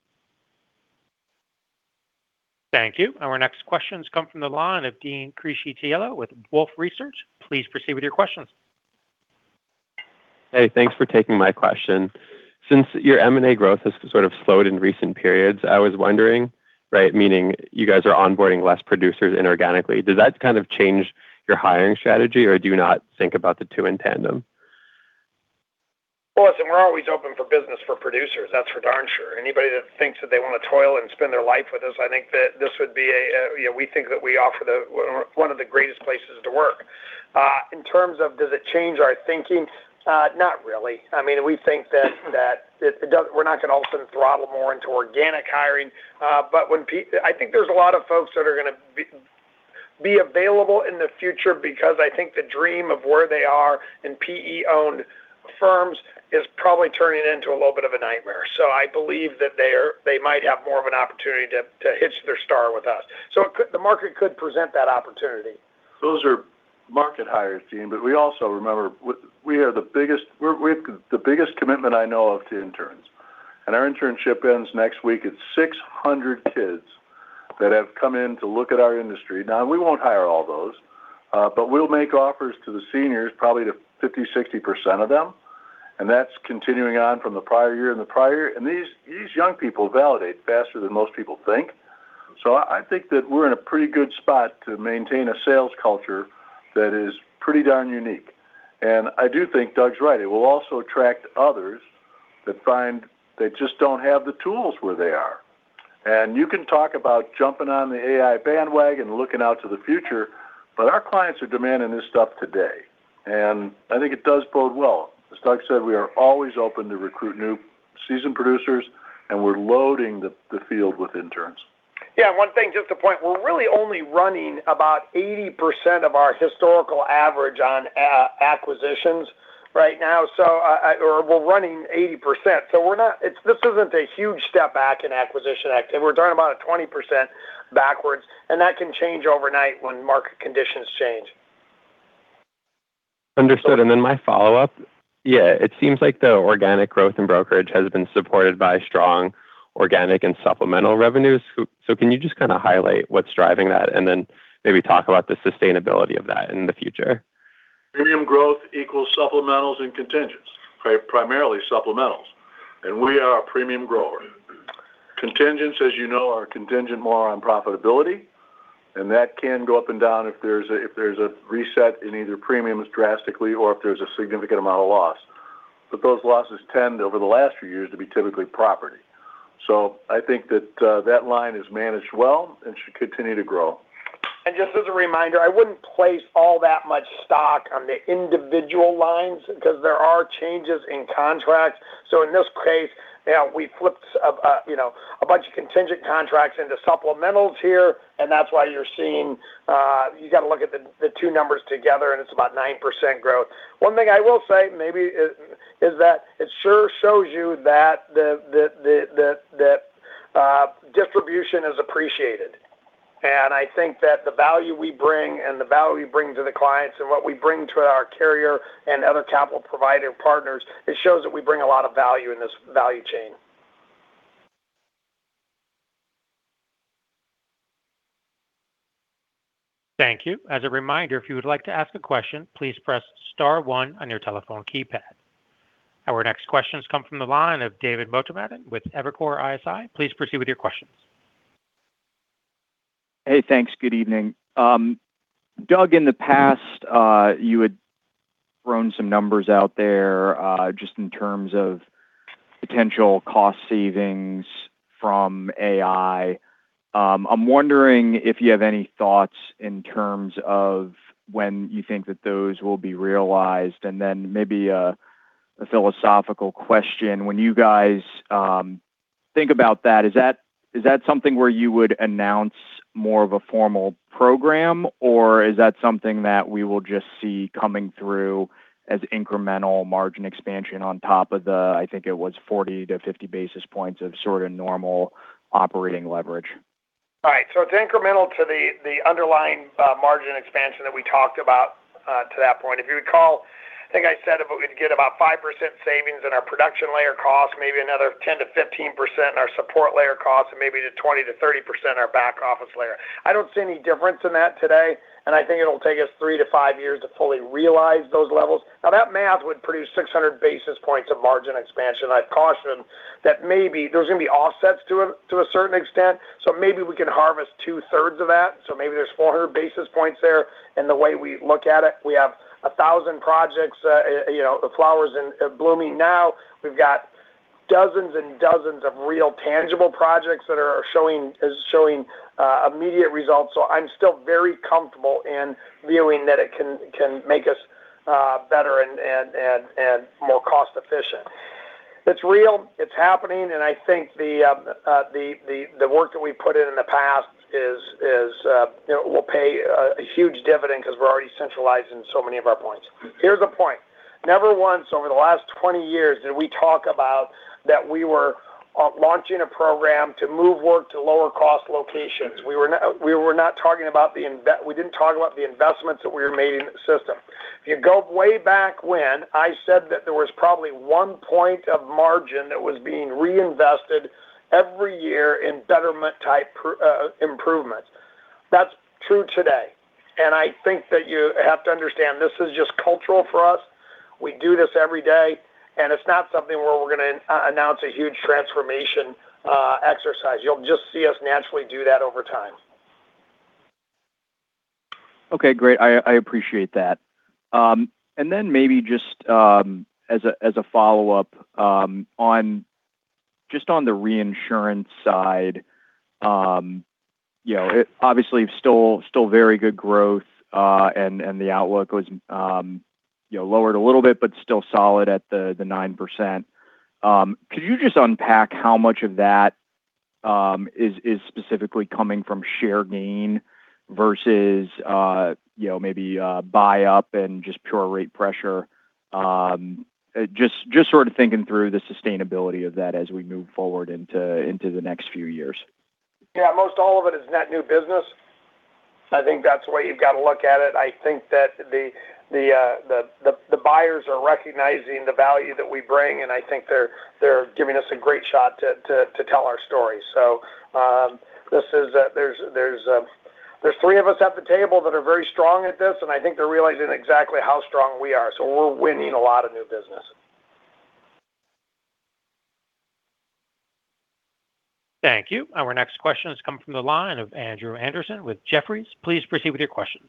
Thank you. Our next questions come from the line of Dean Criscitiello with Wolfe Research. Please proceed with your questions. Hey, thanks for taking my question. Since your M&A growth has sort of slowed in recent periods, I was wondering, meaning you guys are onboarding less producers inorganically, does that kind of change your hiring strategy, or do you not think about the two in tandem? Listen, we're always open for business for producers, that's for darn sure. Anybody that thinks that they want to toil and spend their life with us, I think that this would be We think that we offer one of the greatest places to work. In terms of does it change our thinking? Not really. We think that we're not going to all of a sudden throttle more into organic hiring. I think there's a lot of folks that are going to be available in the future because I think the dream of where they are in PE-owned firms is probably turning into a little bit of a nightmare. I believe that they might have more of an opportunity to hitch their star with us. The market could present that opportunity. Those are market hires, Dean. We also remember we have the biggest commitment I know of to interns, and our internship ends next week. It's 600 kids that have come in to look at our industry. Now, we won't hire all those, but we'll make offers to the seniors, probably to 50%-60% of them, and that's continuing on from the prior year and the prior. These young people validate faster than most people think. I think that we're in a pretty good spot to maintain a sales culture that is pretty darn unique. I do think Doug's right. It will also attract others that find they just don't have the tools where they are. You can talk about jumping on the AI bandwagon, looking out to the future, but our clients are demanding this stuff today. I think it does bode well. As Doug said, we are always open to recruit new seasoned producers, and we're loading the field with interns. Yeah. One thing, just to point, we're really only running about 80% of our historical average on acquisitions right now. We're running 80%. This isn't a huge step back in acquisition activity. We're talking about a 20% backwards, and that can change overnight when market conditions change. Understood. My follow-up, yeah, it seems like the organic growth in Brokerage has been supported by strong organic and supplemental revenues. Can you just kind of highlight what's driving that and then maybe talk about the sustainability of that in the future? Premium growth equals supplementals and contingents. Primarily supplementals. We are a premium grower. Contingents, as you know, are contingent more on profitability, and that can go up and down if there's a reset in either premiums drastically or if there's a significant amount of loss. Those losses tend, over the last few years, to be typically property. I think that that line is managed well and should continue to grow. Just as a reminder, I wouldn't place all that much stock on the individual lines because there are changes in contracts. In this case, we flipped a bunch of contingent contracts into supplementals here, and that's why you're seeing. You got to look at the two numbers together, and it's about 9% growth. One thing I will say maybe is that it sure shows you that distribution is appreciated. I think that the value we bring and the value we bring to the clients and what we bring to our carrier and other capital provider partners, it shows that we bring a lot of value in this value chain. Thank you. As a reminder, if you would like to ask a question, please press star one on your telephone keypad. Our next questions come from the line of David Motemaden with Evercore ISI. Please proceed with your questions. Hey, thanks. Good evening. Doug, in the past, you had thrown some numbers out there, just in terms of potential cost savings from AI. I'm wondering if you have any thoughts in terms of when you think that those will be realized, maybe a philosophical question. When you guys think about that, is that something where you would announce more of a formal program, or is that something that we will just see coming through as incremental margin expansion on top of the, I think it was 40-50 basis points of sort of normal operating leverage? It's incremental to the underlying margin expansion that we talked about to that point. If you recall, I think I said we'd get about 5% savings in our production layer costs, maybe another 10%-15% in our support layer costs, and maybe 20%-30% our back office layer. I don't see any difference in that today, and I think it'll take us three to five years to fully realize those levels. That math would produce 600 basis points of margin expansion. I'd caution that maybe there's going to be offsets to a certain extent, so maybe we can harvest 2/3 of that. Maybe there's 400 basis points there in the way we look at it. We have 1,000 projects, the flowers are blooming now. We've got dozens and dozens of real tangible projects that are showing immediate results. I'm still very comfortable in viewing that it can make us better and more cost-efficient. It's real, it's happening, and I think the work that we put in in the past will pay a huge dividend because we're already centralizing so many of our points. Here's a point. Never once over the last 20 years did we talk about that we were launching a program to move work to lower cost locations. We didn't talk about the investments that we were made in the system. If you go way back when, I said that there was probably one point of margin that was being reinvested every year in betterment-type improvements. That's true today. I think that you have to understand, this is just cultural for us. We do this every day, and it's not something where we're going to announce a huge transformation exercise. You'll just see us naturally do that over time. Okay, great. I appreciate that. Then maybe just as a follow-up, just on the reinsurance side, obviously still very good growth, and the outlook was lowered a little bit, but still solid at the 9%. Could you just unpack how much of that is specifically coming from share gain versus maybe buy up and just pure rate pressure? Just sort of thinking through the sustainability of that as we move forward into the next few years. Yeah, most all of it is net new business. I think that's the way you've got to look at it. I think that the buyers are recognizing the value that we bring, and I think they're giving us a great shot to tell our story. There's three of us at the table that are very strong at this, and I think they're realizing exactly how strong we are. We're winning a lot of new business. Thank you. Our next question has come from the line of Andrew Andersen with Jefferies. Please proceed with your question.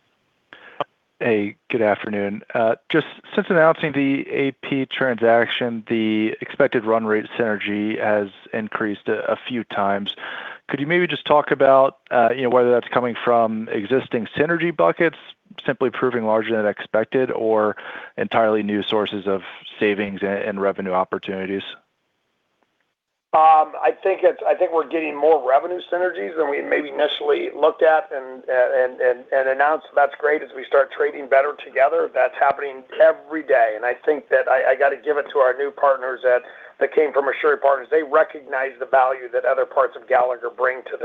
Hey, good afternoon. Just since announcing the AP transaction, the expected run rate synergy has increased a few times. Could you maybe just talk about whether that's coming from existing synergy buckets simply proving larger than expected or entirely new sources of savings and revenue opportunities? I think we're getting more revenue synergies than we maybe initially looked at and announced. That's great as we start trading better together. That's happening every day. I think that I got to give it to our new partners that came from AssuredPartners. They recognize the value that other parts of Gallagher bring to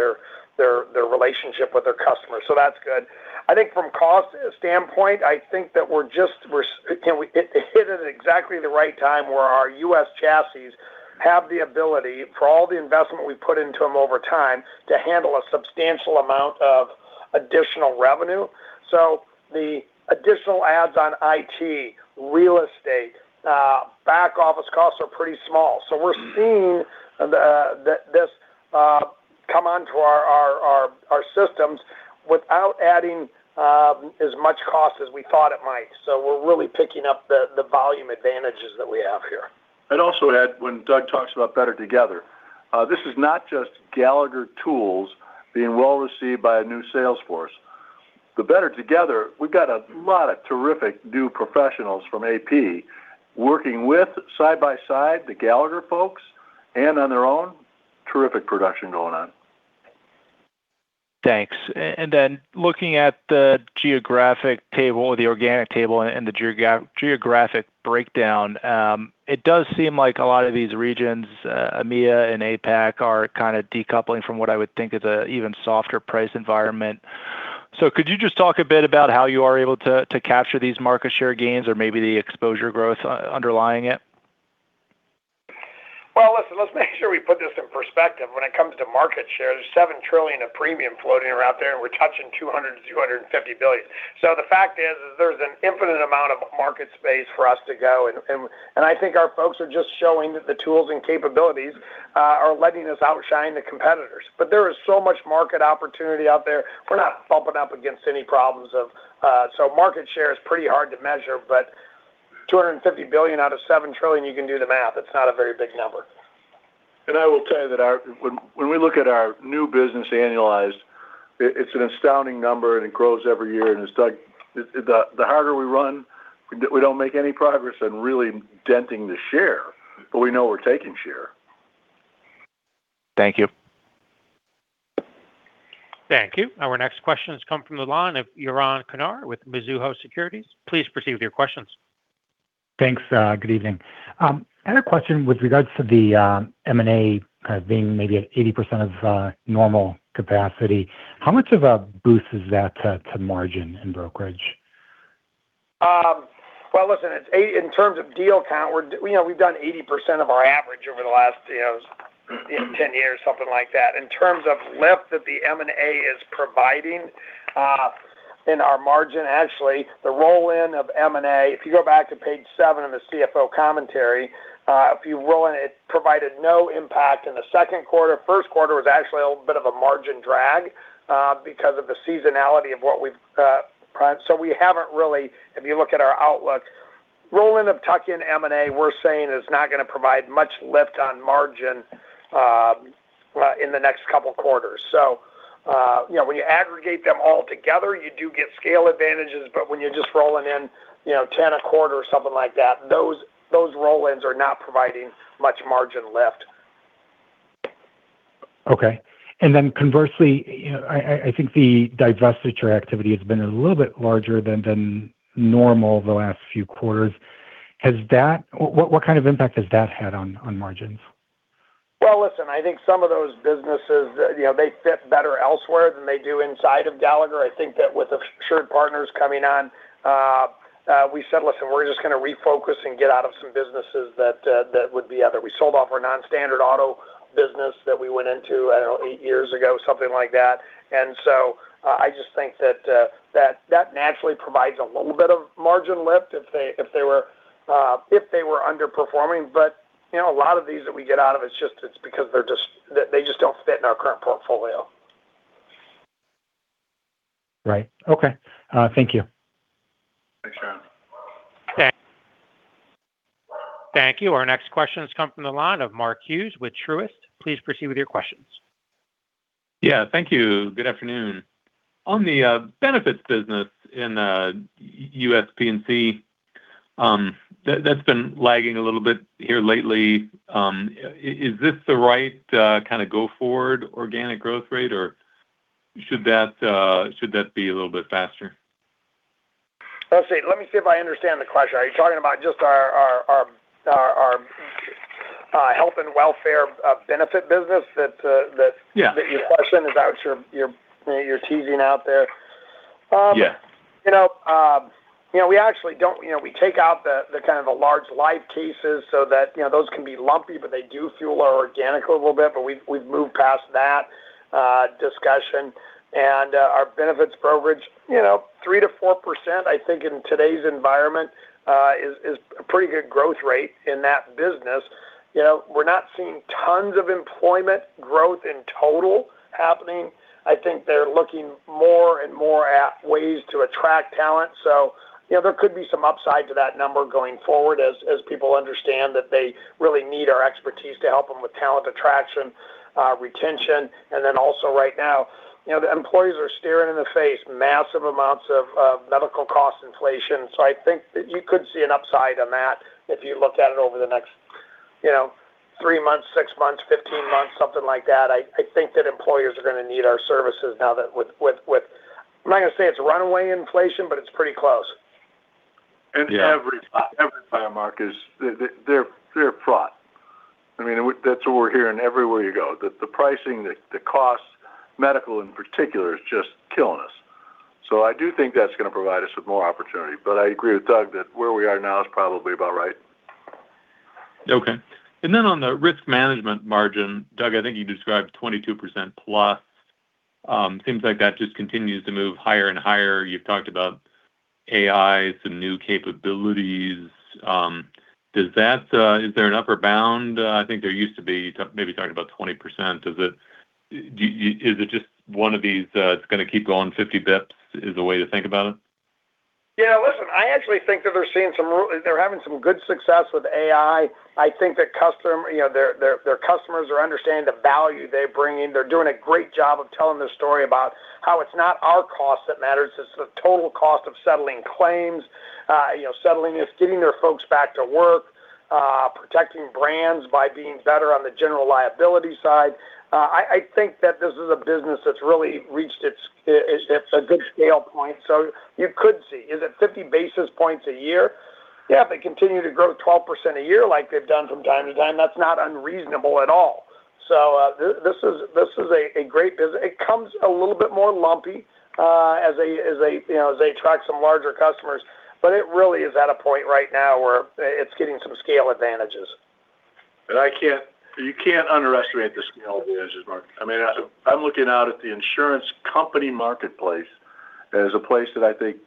their relationship with their customers. That's good. I think from cost standpoint, I think that we hit it at exactly the right time where our U.S. chassis have the ability for all the investment we put into them over time to handle a substantial amount of additional revenue. The additional ads on IT, real estate, back office costs are pretty small. We're seeing this come onto our systems without adding as much cost as we thought it might. We're really picking up the volume advantages that we have here. Also add, when Doug talks about better together, this is not just Gallagher tools being well-received by a new sales force. The better together, we've got a lot of terrific new professionals from AP working with side by side the Gallagher folks and on their own. Terrific production going on. Thanks. Looking at the geographic table or the organic table and the geographic breakdown, it does seem like a lot of these regions, EMEA and APAC, are kind of decoupling from what I would think is an even softer price environment. Could you just talk a bit about how you are able to capture these market share gains or maybe the exposure growth underlying it? Well, listen, let's make sure we put this in perspective. When it comes to market share, there's $7 trillion of premium floating around there, and we're touching $200 billion-$250 billion. The fact is there's an infinite amount of market space for us to go, and I think our folks are just showing that the tools and capabilities are letting us outshine the competitors. There is so much market opportunity out there, we're not bumping up against any problems. Market share is pretty hard to measure, but $250 billion out of $7 trillion, you can do the math. It's not a very big number. I will tell you that when we look at our new business annualized, it's an astounding number, and it grows every year. It's like the harder we run, we don't make any progress in really denting the share. We know we're taking share. Thank you. Thank you. Our next question has come from the line of Yaron Kinar with Mizuho Securities. Please proceed with your questions. Thanks. Good evening. I had a question with regards to the M&A being maybe at 80% of normal capacity. How much of a boost is that to margin in Brokerage? Listen, in terms of deal count, we've done 80% of our average over the last 10 years, something like that. In terms of lift that the M&A is providing in our margin, actually, the roll-in of M&A, if you go back to page seven of the CFO Commentary, if you roll in, it provided no impact in the second quarter. First quarter was actually a little bit of a margin drag because of the seasonality. We haven't really, if you look at our outlook, roll-in of tuck-in M&A, we're saying is not going to provide much lift on margin in the next couple of quarters. When you aggregate them all together, you do get scale advantages, but when you're just rolling in 10 a quarter or something like that, those roll-ins are not providing much margin lift. Okay. Conversely, I think the divestiture activity has been a little bit larger than normal the last few quarters. What kind of impact has that had on margins? Well, listen, I think some of those businesses they fit better elsewhere than they do inside of Gallagher. I think that with AssuredPartners coming on, we said, "Listen, we're just going to refocus and get out of some businesses that would be other." We sold off our non-standard auto business that we went into, I don't know, eight years ago, something like that. I just think that naturally provides a little bit of margin lift if they were underperforming. A lot of these that we get out of, it's because they just don't fit in our current portfolio. Right. Okay. Thank you. Thanks, Yaron. Thank you. Our next question has come from the line of Mark Hughes with Truist. Please proceed with your questions. Yeah. Thank you. Good afternoon. On the benefits business in the U.S. P&C, that's been lagging a little bit here lately. Is this the right kind of go-forward organic growth rate, or should that be a little bit faster? Let's see. Let me see if I understand the question. Are you talking about just our health and welfare benefit business? Yeah. Your question? Is that what you're teasing out there? Yeah. We take out the kind of the large life cases so that, those can be lumpy, but they do fuel our organic a little bit, but we've moved past that discussion. Our benefits brokerage, 3%-4%, I think in today's environment, is a pretty good growth rate in that business. We're not seeing tons of employment growth in total happening. I think they're looking more and more at ways to attract talent. There could be some upside to that number going forward as people understand that they really need our expertise to help them with talent attraction, retention. Right now, the employees are staring in the face massive amounts of medical cost inflation. I think that you could see an upside on that if you looked at it over the next three months, six months, 15 months, something like that. I think that employers are going to need our services now that with, I'm not going to say it's runaway inflation, but it's pretty close. Yeah. Every buyer, Mark, is they're fraught. I mean, that's what we're hearing everywhere you go. That the pricing, the cost, medical in particular, is just killing us. I do think that's going to provide us with more opportunity. I agree with Doug that where we are now is probably about right. Okay. On the Risk Management margin, Doug, I think you described 22%+. It seems like that just continues to move higher and higher. You've talked about AI, some new capabilities. Is there an upper bound? I think there used to be, maybe you're talking about 20%. Is it just one of these, it's going to keep going 50 basis points, is the way to think about it? Yeah. Listen, I actually think that they're having some good success with AI. I think their customers are understanding the value they're bringing. They're doing a great job of telling their story about how it's not our cost that matters, it's the total cost of settling claims. Settling is getting their folks back to work, protecting brands by being better on the general liability side. I think that this is a business that's really reached. Sure. A good scale point. You could see. Is it 50 basis points a year? Yeah, if they continue to grow 12% a year like they've done from time to time, that's not unreasonable at all. This is a great business. It comes a little bit more lumpy as they attract some larger customers. It really is at a point right now where it's getting some scale advantages. You can't underestimate the scale advantages, Mark. I'm looking out at the insurance company marketplace as a place that I think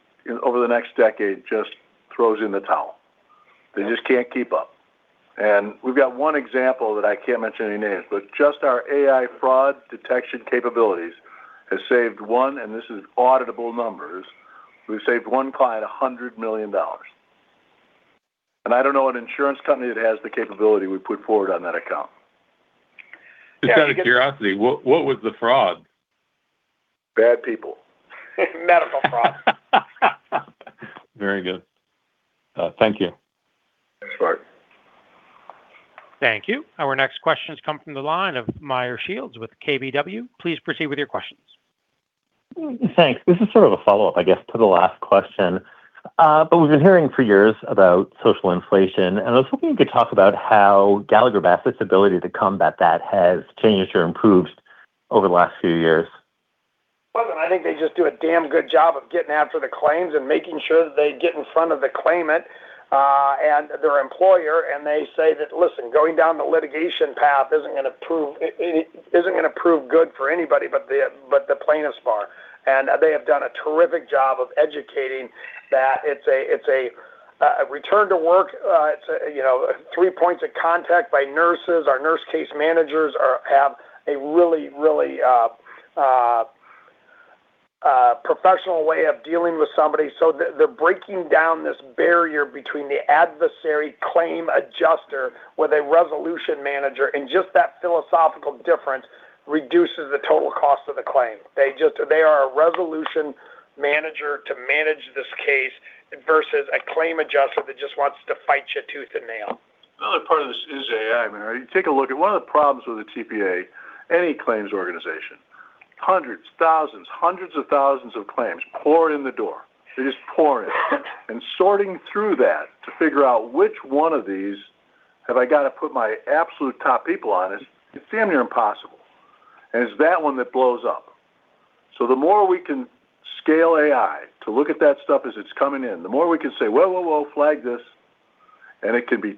over the next decade just throws in the towel. They just can't keep up. We've got one example that I can't mention any names, but just our AI fraud detection capabilities has saved one, and this is auditable numbers, we've saved one client $100 million. I don't know an insurance company that has the capability we put forward on that account. Just out of curiosity, what was the fraud? Bad people. Medical fraud. Very good. Thank you. Thanks, Mark. Thank you. Our next questions come from the line of Meyer Shields with KBW. Please proceed with your questions. Thanks. This is sort of a follow-up, I guess, to the last question. We've been hearing for years about social inflation, I was hoping you could talk about how Gallagher Bassett's ability to combat that has changed or improved over the last few years. Well, I think they just do a damn good job of getting after the claims and making sure that they get in front of the claimant, and their employer, and they say that, "Listen, going down the litigation path isn't going to prove good for anybody but the plaintiff's bar." They have done a terrific job of educating that it's a return to work. It's three points of contact by nurses. Our nurse case managers have a really professional way of dealing with somebody. They're breaking down this barrier between the adversary claim adjuster with a resolution manager, and just that philosophical difference reduces the total cost of the claim. They are a resolution manager to manage this case versus a claim adjuster that just wants to fight you tooth and nail. The other part of this is AI, Meyer. You take a look at one of the problems with a TPA, any claims organization. Hundreds, thousands, hundreds of thousands of claims poured in the door. They're just pouring in. Sorting through that to figure out which one of these have I got to put my absolute top people on is near impossible. It's that one that blows up. The more we can scale AI to look at that stuff as it's coming in, the more we can say, "Whoa, whoa, flag this." It could be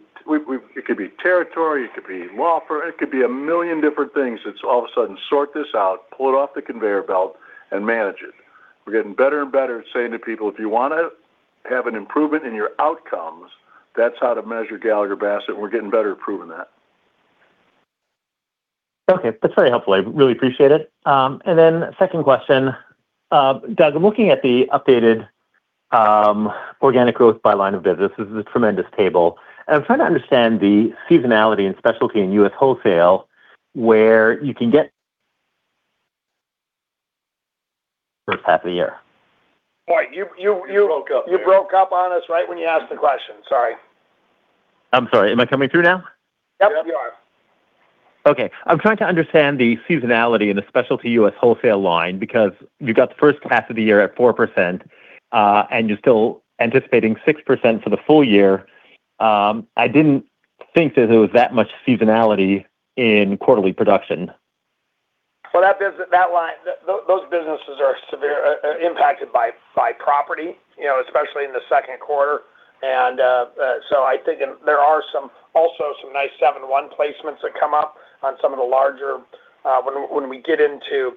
territory, it could be law firm, it could be a million different things. It's all of a sudden, sort this out, pull it off the conveyor belt and manage it. We're getting better and better at saying to people, "If you want to have an improvement in your outcomes, that's how to measure Gallagher Bassett," and we're getting better at proving that. Okay. That's very helpful. I really appreciate it. Second question. Doug, looking at the updated organic growth by line of business, this is a tremendous table. I'm trying to understand the seasonality and specialty in U.S. wholesale where you can get first half of the year. Meyer. You broke up there. You broke up on us right when you asked the question. Sorry. I'm sorry. Am I coming through now? Yep, you are. Yep. Okay. I'm trying to understand the seasonality in the specialty U.S. wholesale line, because you've got the first half of the year at 4%, and you're still anticipating 6% for the full year. I didn't think that there was that much seasonality in quarterly production. Those businesses are impacted by property, especially in the second quarter. I think there are also some nice 7-1 placements that come up on some of the larger when we get into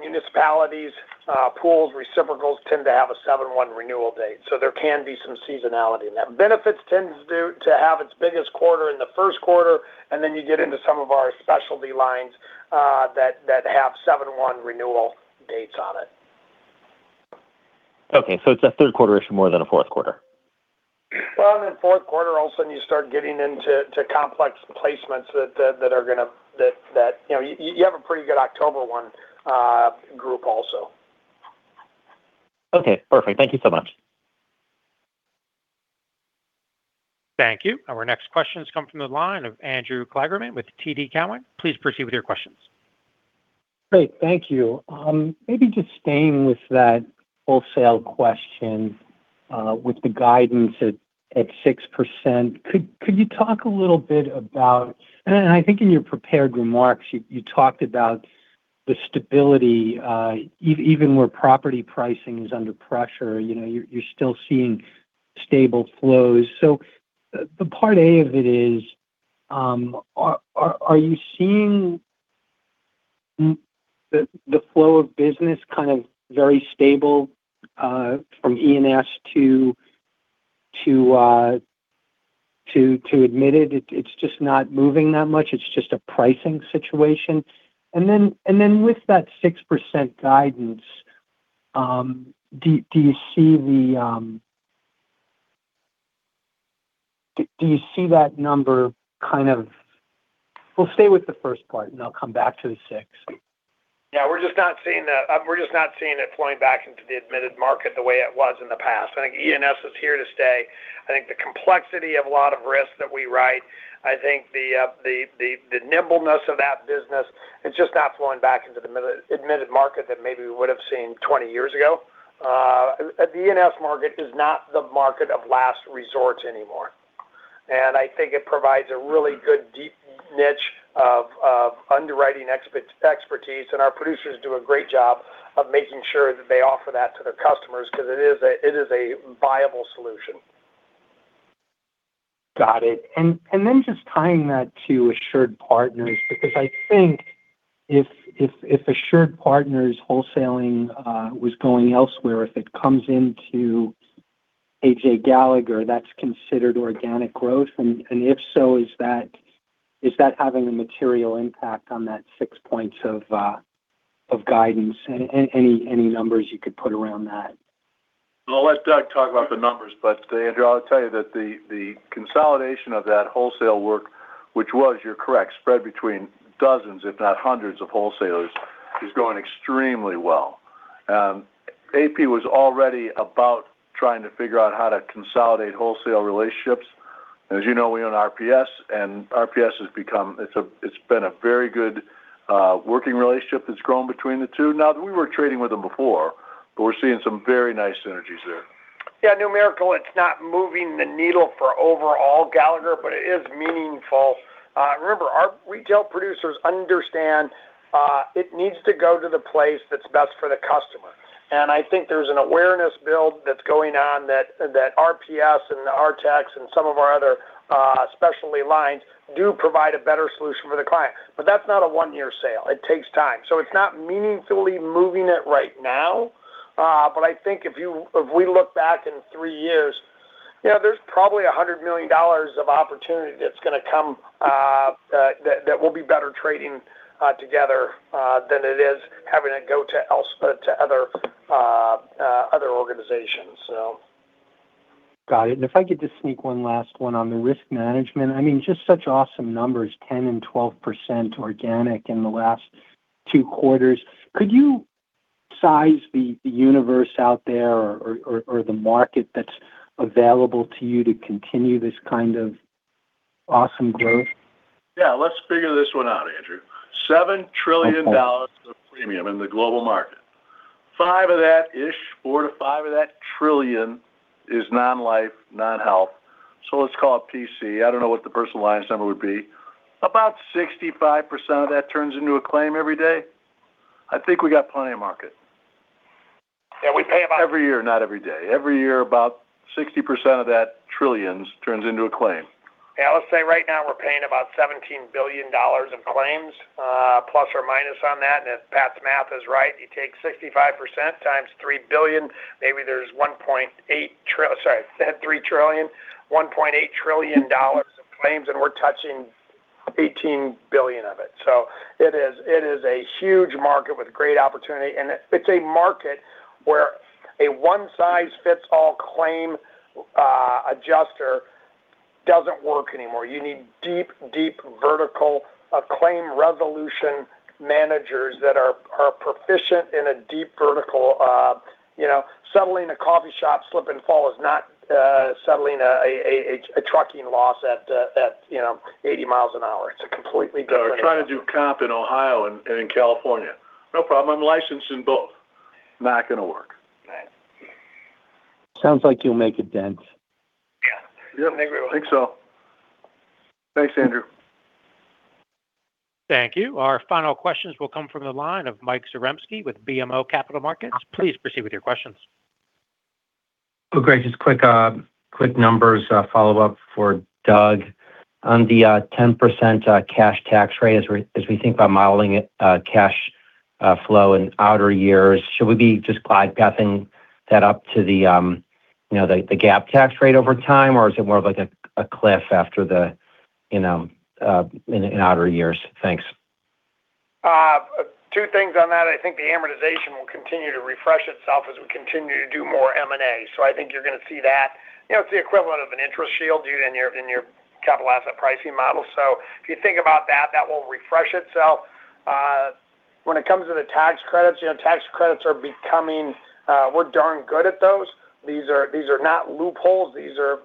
municipalities, pools, reciprocals tend to have a 7-1 renewal date. There can be some seasonality in that. Benefits tends to have its biggest quarter in the first quarter, then you get into some of our specialty lines that have 7-1 renewal dates on it. Okay. It's a third quarter issue more than a fourth quarter? Fourth quarter, all of a sudden you start getting into complex placements. You have a pretty good October 1 group also. Okay, perfect. Thank you so much. Thank you. Our next questions come from the line of Andrew Kligerman with TD Cowen. Please proceed with your questions. Great. Thank you. Maybe just staying with that wholesale question, with the guidance at 6%, could you talk a little bit about I think in your prepared remarks, you talked about the stability, even where property pricing is under pressure, you are still seeing stable flows. The part A of it is, are you seeing the flow of business very stable from E&S to admitted? It is just not moving that much, it is just a pricing situation. Then with that 6% guidance, do you see that number kind of We will stay with the first part, and I will come back to the 6%. Yeah, we are just not seeing it flowing back into the admitted market the way it was in the past. I think E&S is here to stay. I think the complexity of a lot of risks that we write, I think the nimbleness of that business, it is just not flowing back into the admitted market that maybe we would have seen 20 years ago. The E&S market is not the market of last resorts anymore. I think it provides a really good deep niche of underwriting expertise, and our producers do a great job of making sure that they offer that to their customers, because it is a viable solution. Got it. Then just tying that to AssuredPartners, because I think if AssuredPartners wholesaling was going elsewhere, if it comes into AJ Gallagher, that is considered organic growth. If so, is that having a material impact on that six points of guidance? Any numbers you could put around that? I'll let Doug talk about the numbers. Andrew, I'll tell you that the consolidation of that wholesale work, which was, you're correct, spread between dozens, if not hundreds, of wholesalers, is going extremely well. AP was already about trying to figure out how to consolidate wholesale relationships. As you know, we own RPS, it's been a very good working relationship that's grown between the two. We were trading with them before, but we're seeing some very nice synergies there. Numerical, it's not moving the needle for overall Gallagher, but it is meaningful. Remember, our retail producers understand it needs to go to the place that's best for the customer. I think there's an awareness build that's going on that RPS and RT Specialty and some of our other specialty lines do provide a better solution for the client. That's not a one-year sale. It takes time. It's not meaningfully moving it right now. I think if we look back in three years, there's probably $100 million of opportunity that will be better trading together than it is having it go to other organizations. Got it. If I could just sneak one last one on the Risk Management. Just such awesome numbers, 10% and 12% organic in the last two quarters. Could you size the universe out there or the market that's available to you to continue this kind of awesome growth? Let's figure this one out, Andrew. $7 trillion of premium in the global market. Five of that-ish, four to five of that trillion, is non-life, non-health. Let's call it PC. I don't know what the personal lines number would be. About 65% of that turns into a claim every day. I think we got plenty of market. Yeah, we pay about. Every year, not every day. Every year, about 60% of that trillion turns into a claim. Yeah, let's say right now we're paying about $17 billion in claims ± on that. If Pat's math is right, you take 65% x $3 billion, maybe there's sorry, I said $3 trillion, $1.8 trillion of claims, and we're touching $18 billion of it. It is a huge market with great opportunity, and it's a market where a one-size-fits-all claim adjuster doesn't work anymore. You need deep vertical claim resolution managers that are proficient in a deep vertical. Settling a coffee shop slip and fall is not settling a trucking loss at 80 mi an hour. It's a completely different animal. Trying to do comp in Ohio and in California. No problem, I'm licensed in both. Not going to work. Right. Sounds like you'll make a dent. Yeah. I think we will. Yep. I think so. Thanks, Andrew. Thank you. Our final questions will come from the line of Mike Zarembski with BMO Capital Markets. Please proceed with your questions. Oh, great. Just quick numbers follow-up for Doug. On the 10% cash tax rate, as we think about modeling it cash flow in outer years, should we be just glide pathing that up to the GAAP tax rate over time, or is it more of a cliff in outer years? Thanks. Two things on that. I think the amortization will continue to refresh itself as we continue to do more M&A. I think you're going to see that. It's the equivalent of an interest shield due in your capital asset pricing model. If you think about that will refresh itself. When it comes to the tax credits, we're darn good at those. These are not loopholes. These are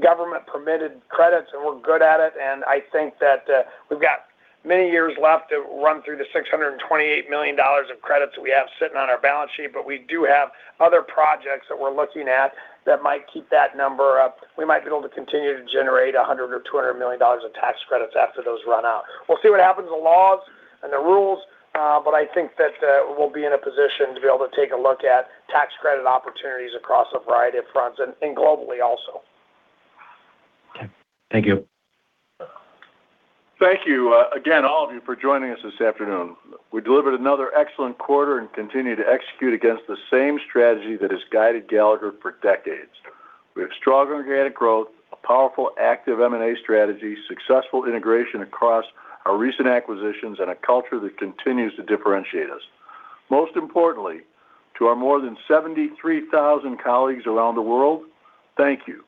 government-permitted credits, and we're good at it. I think that we've got many years left to run through the $628 million of credits we have sitting on our balance sheet. We do have other projects that we're looking at that might keep that number up. We might be able to continue to generate $100 million or $200 million of tax credits after those run out. We'll see what happens with the laws and the rules, I think that we'll be in a position to be able to take a look at tax credit opportunities across a variety of fronts and globally also. Okay. Thank you. Thank you again, all of you, for joining us this afternoon. We delivered another excellent quarter and continue to execute against the same strategy that has guided Gallagher for decades. We have strong organic growth, a powerful active M&A strategy, successful integration across our recent acquisitions, and a culture that continues to differentiate us. Most importantly, to our more than 73,000 colleagues around the world, thank you.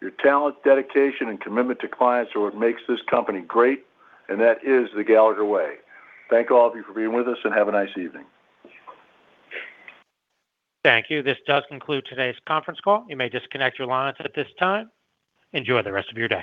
Your talent, dedication, and commitment to clients are what makes this company great, and that is the Gallagher way. Thank all of you for being with us, and have a nice evening. Thank you. This does conclude today's conference call. You may disconnect your lines at this time. Enjoy the rest of your day.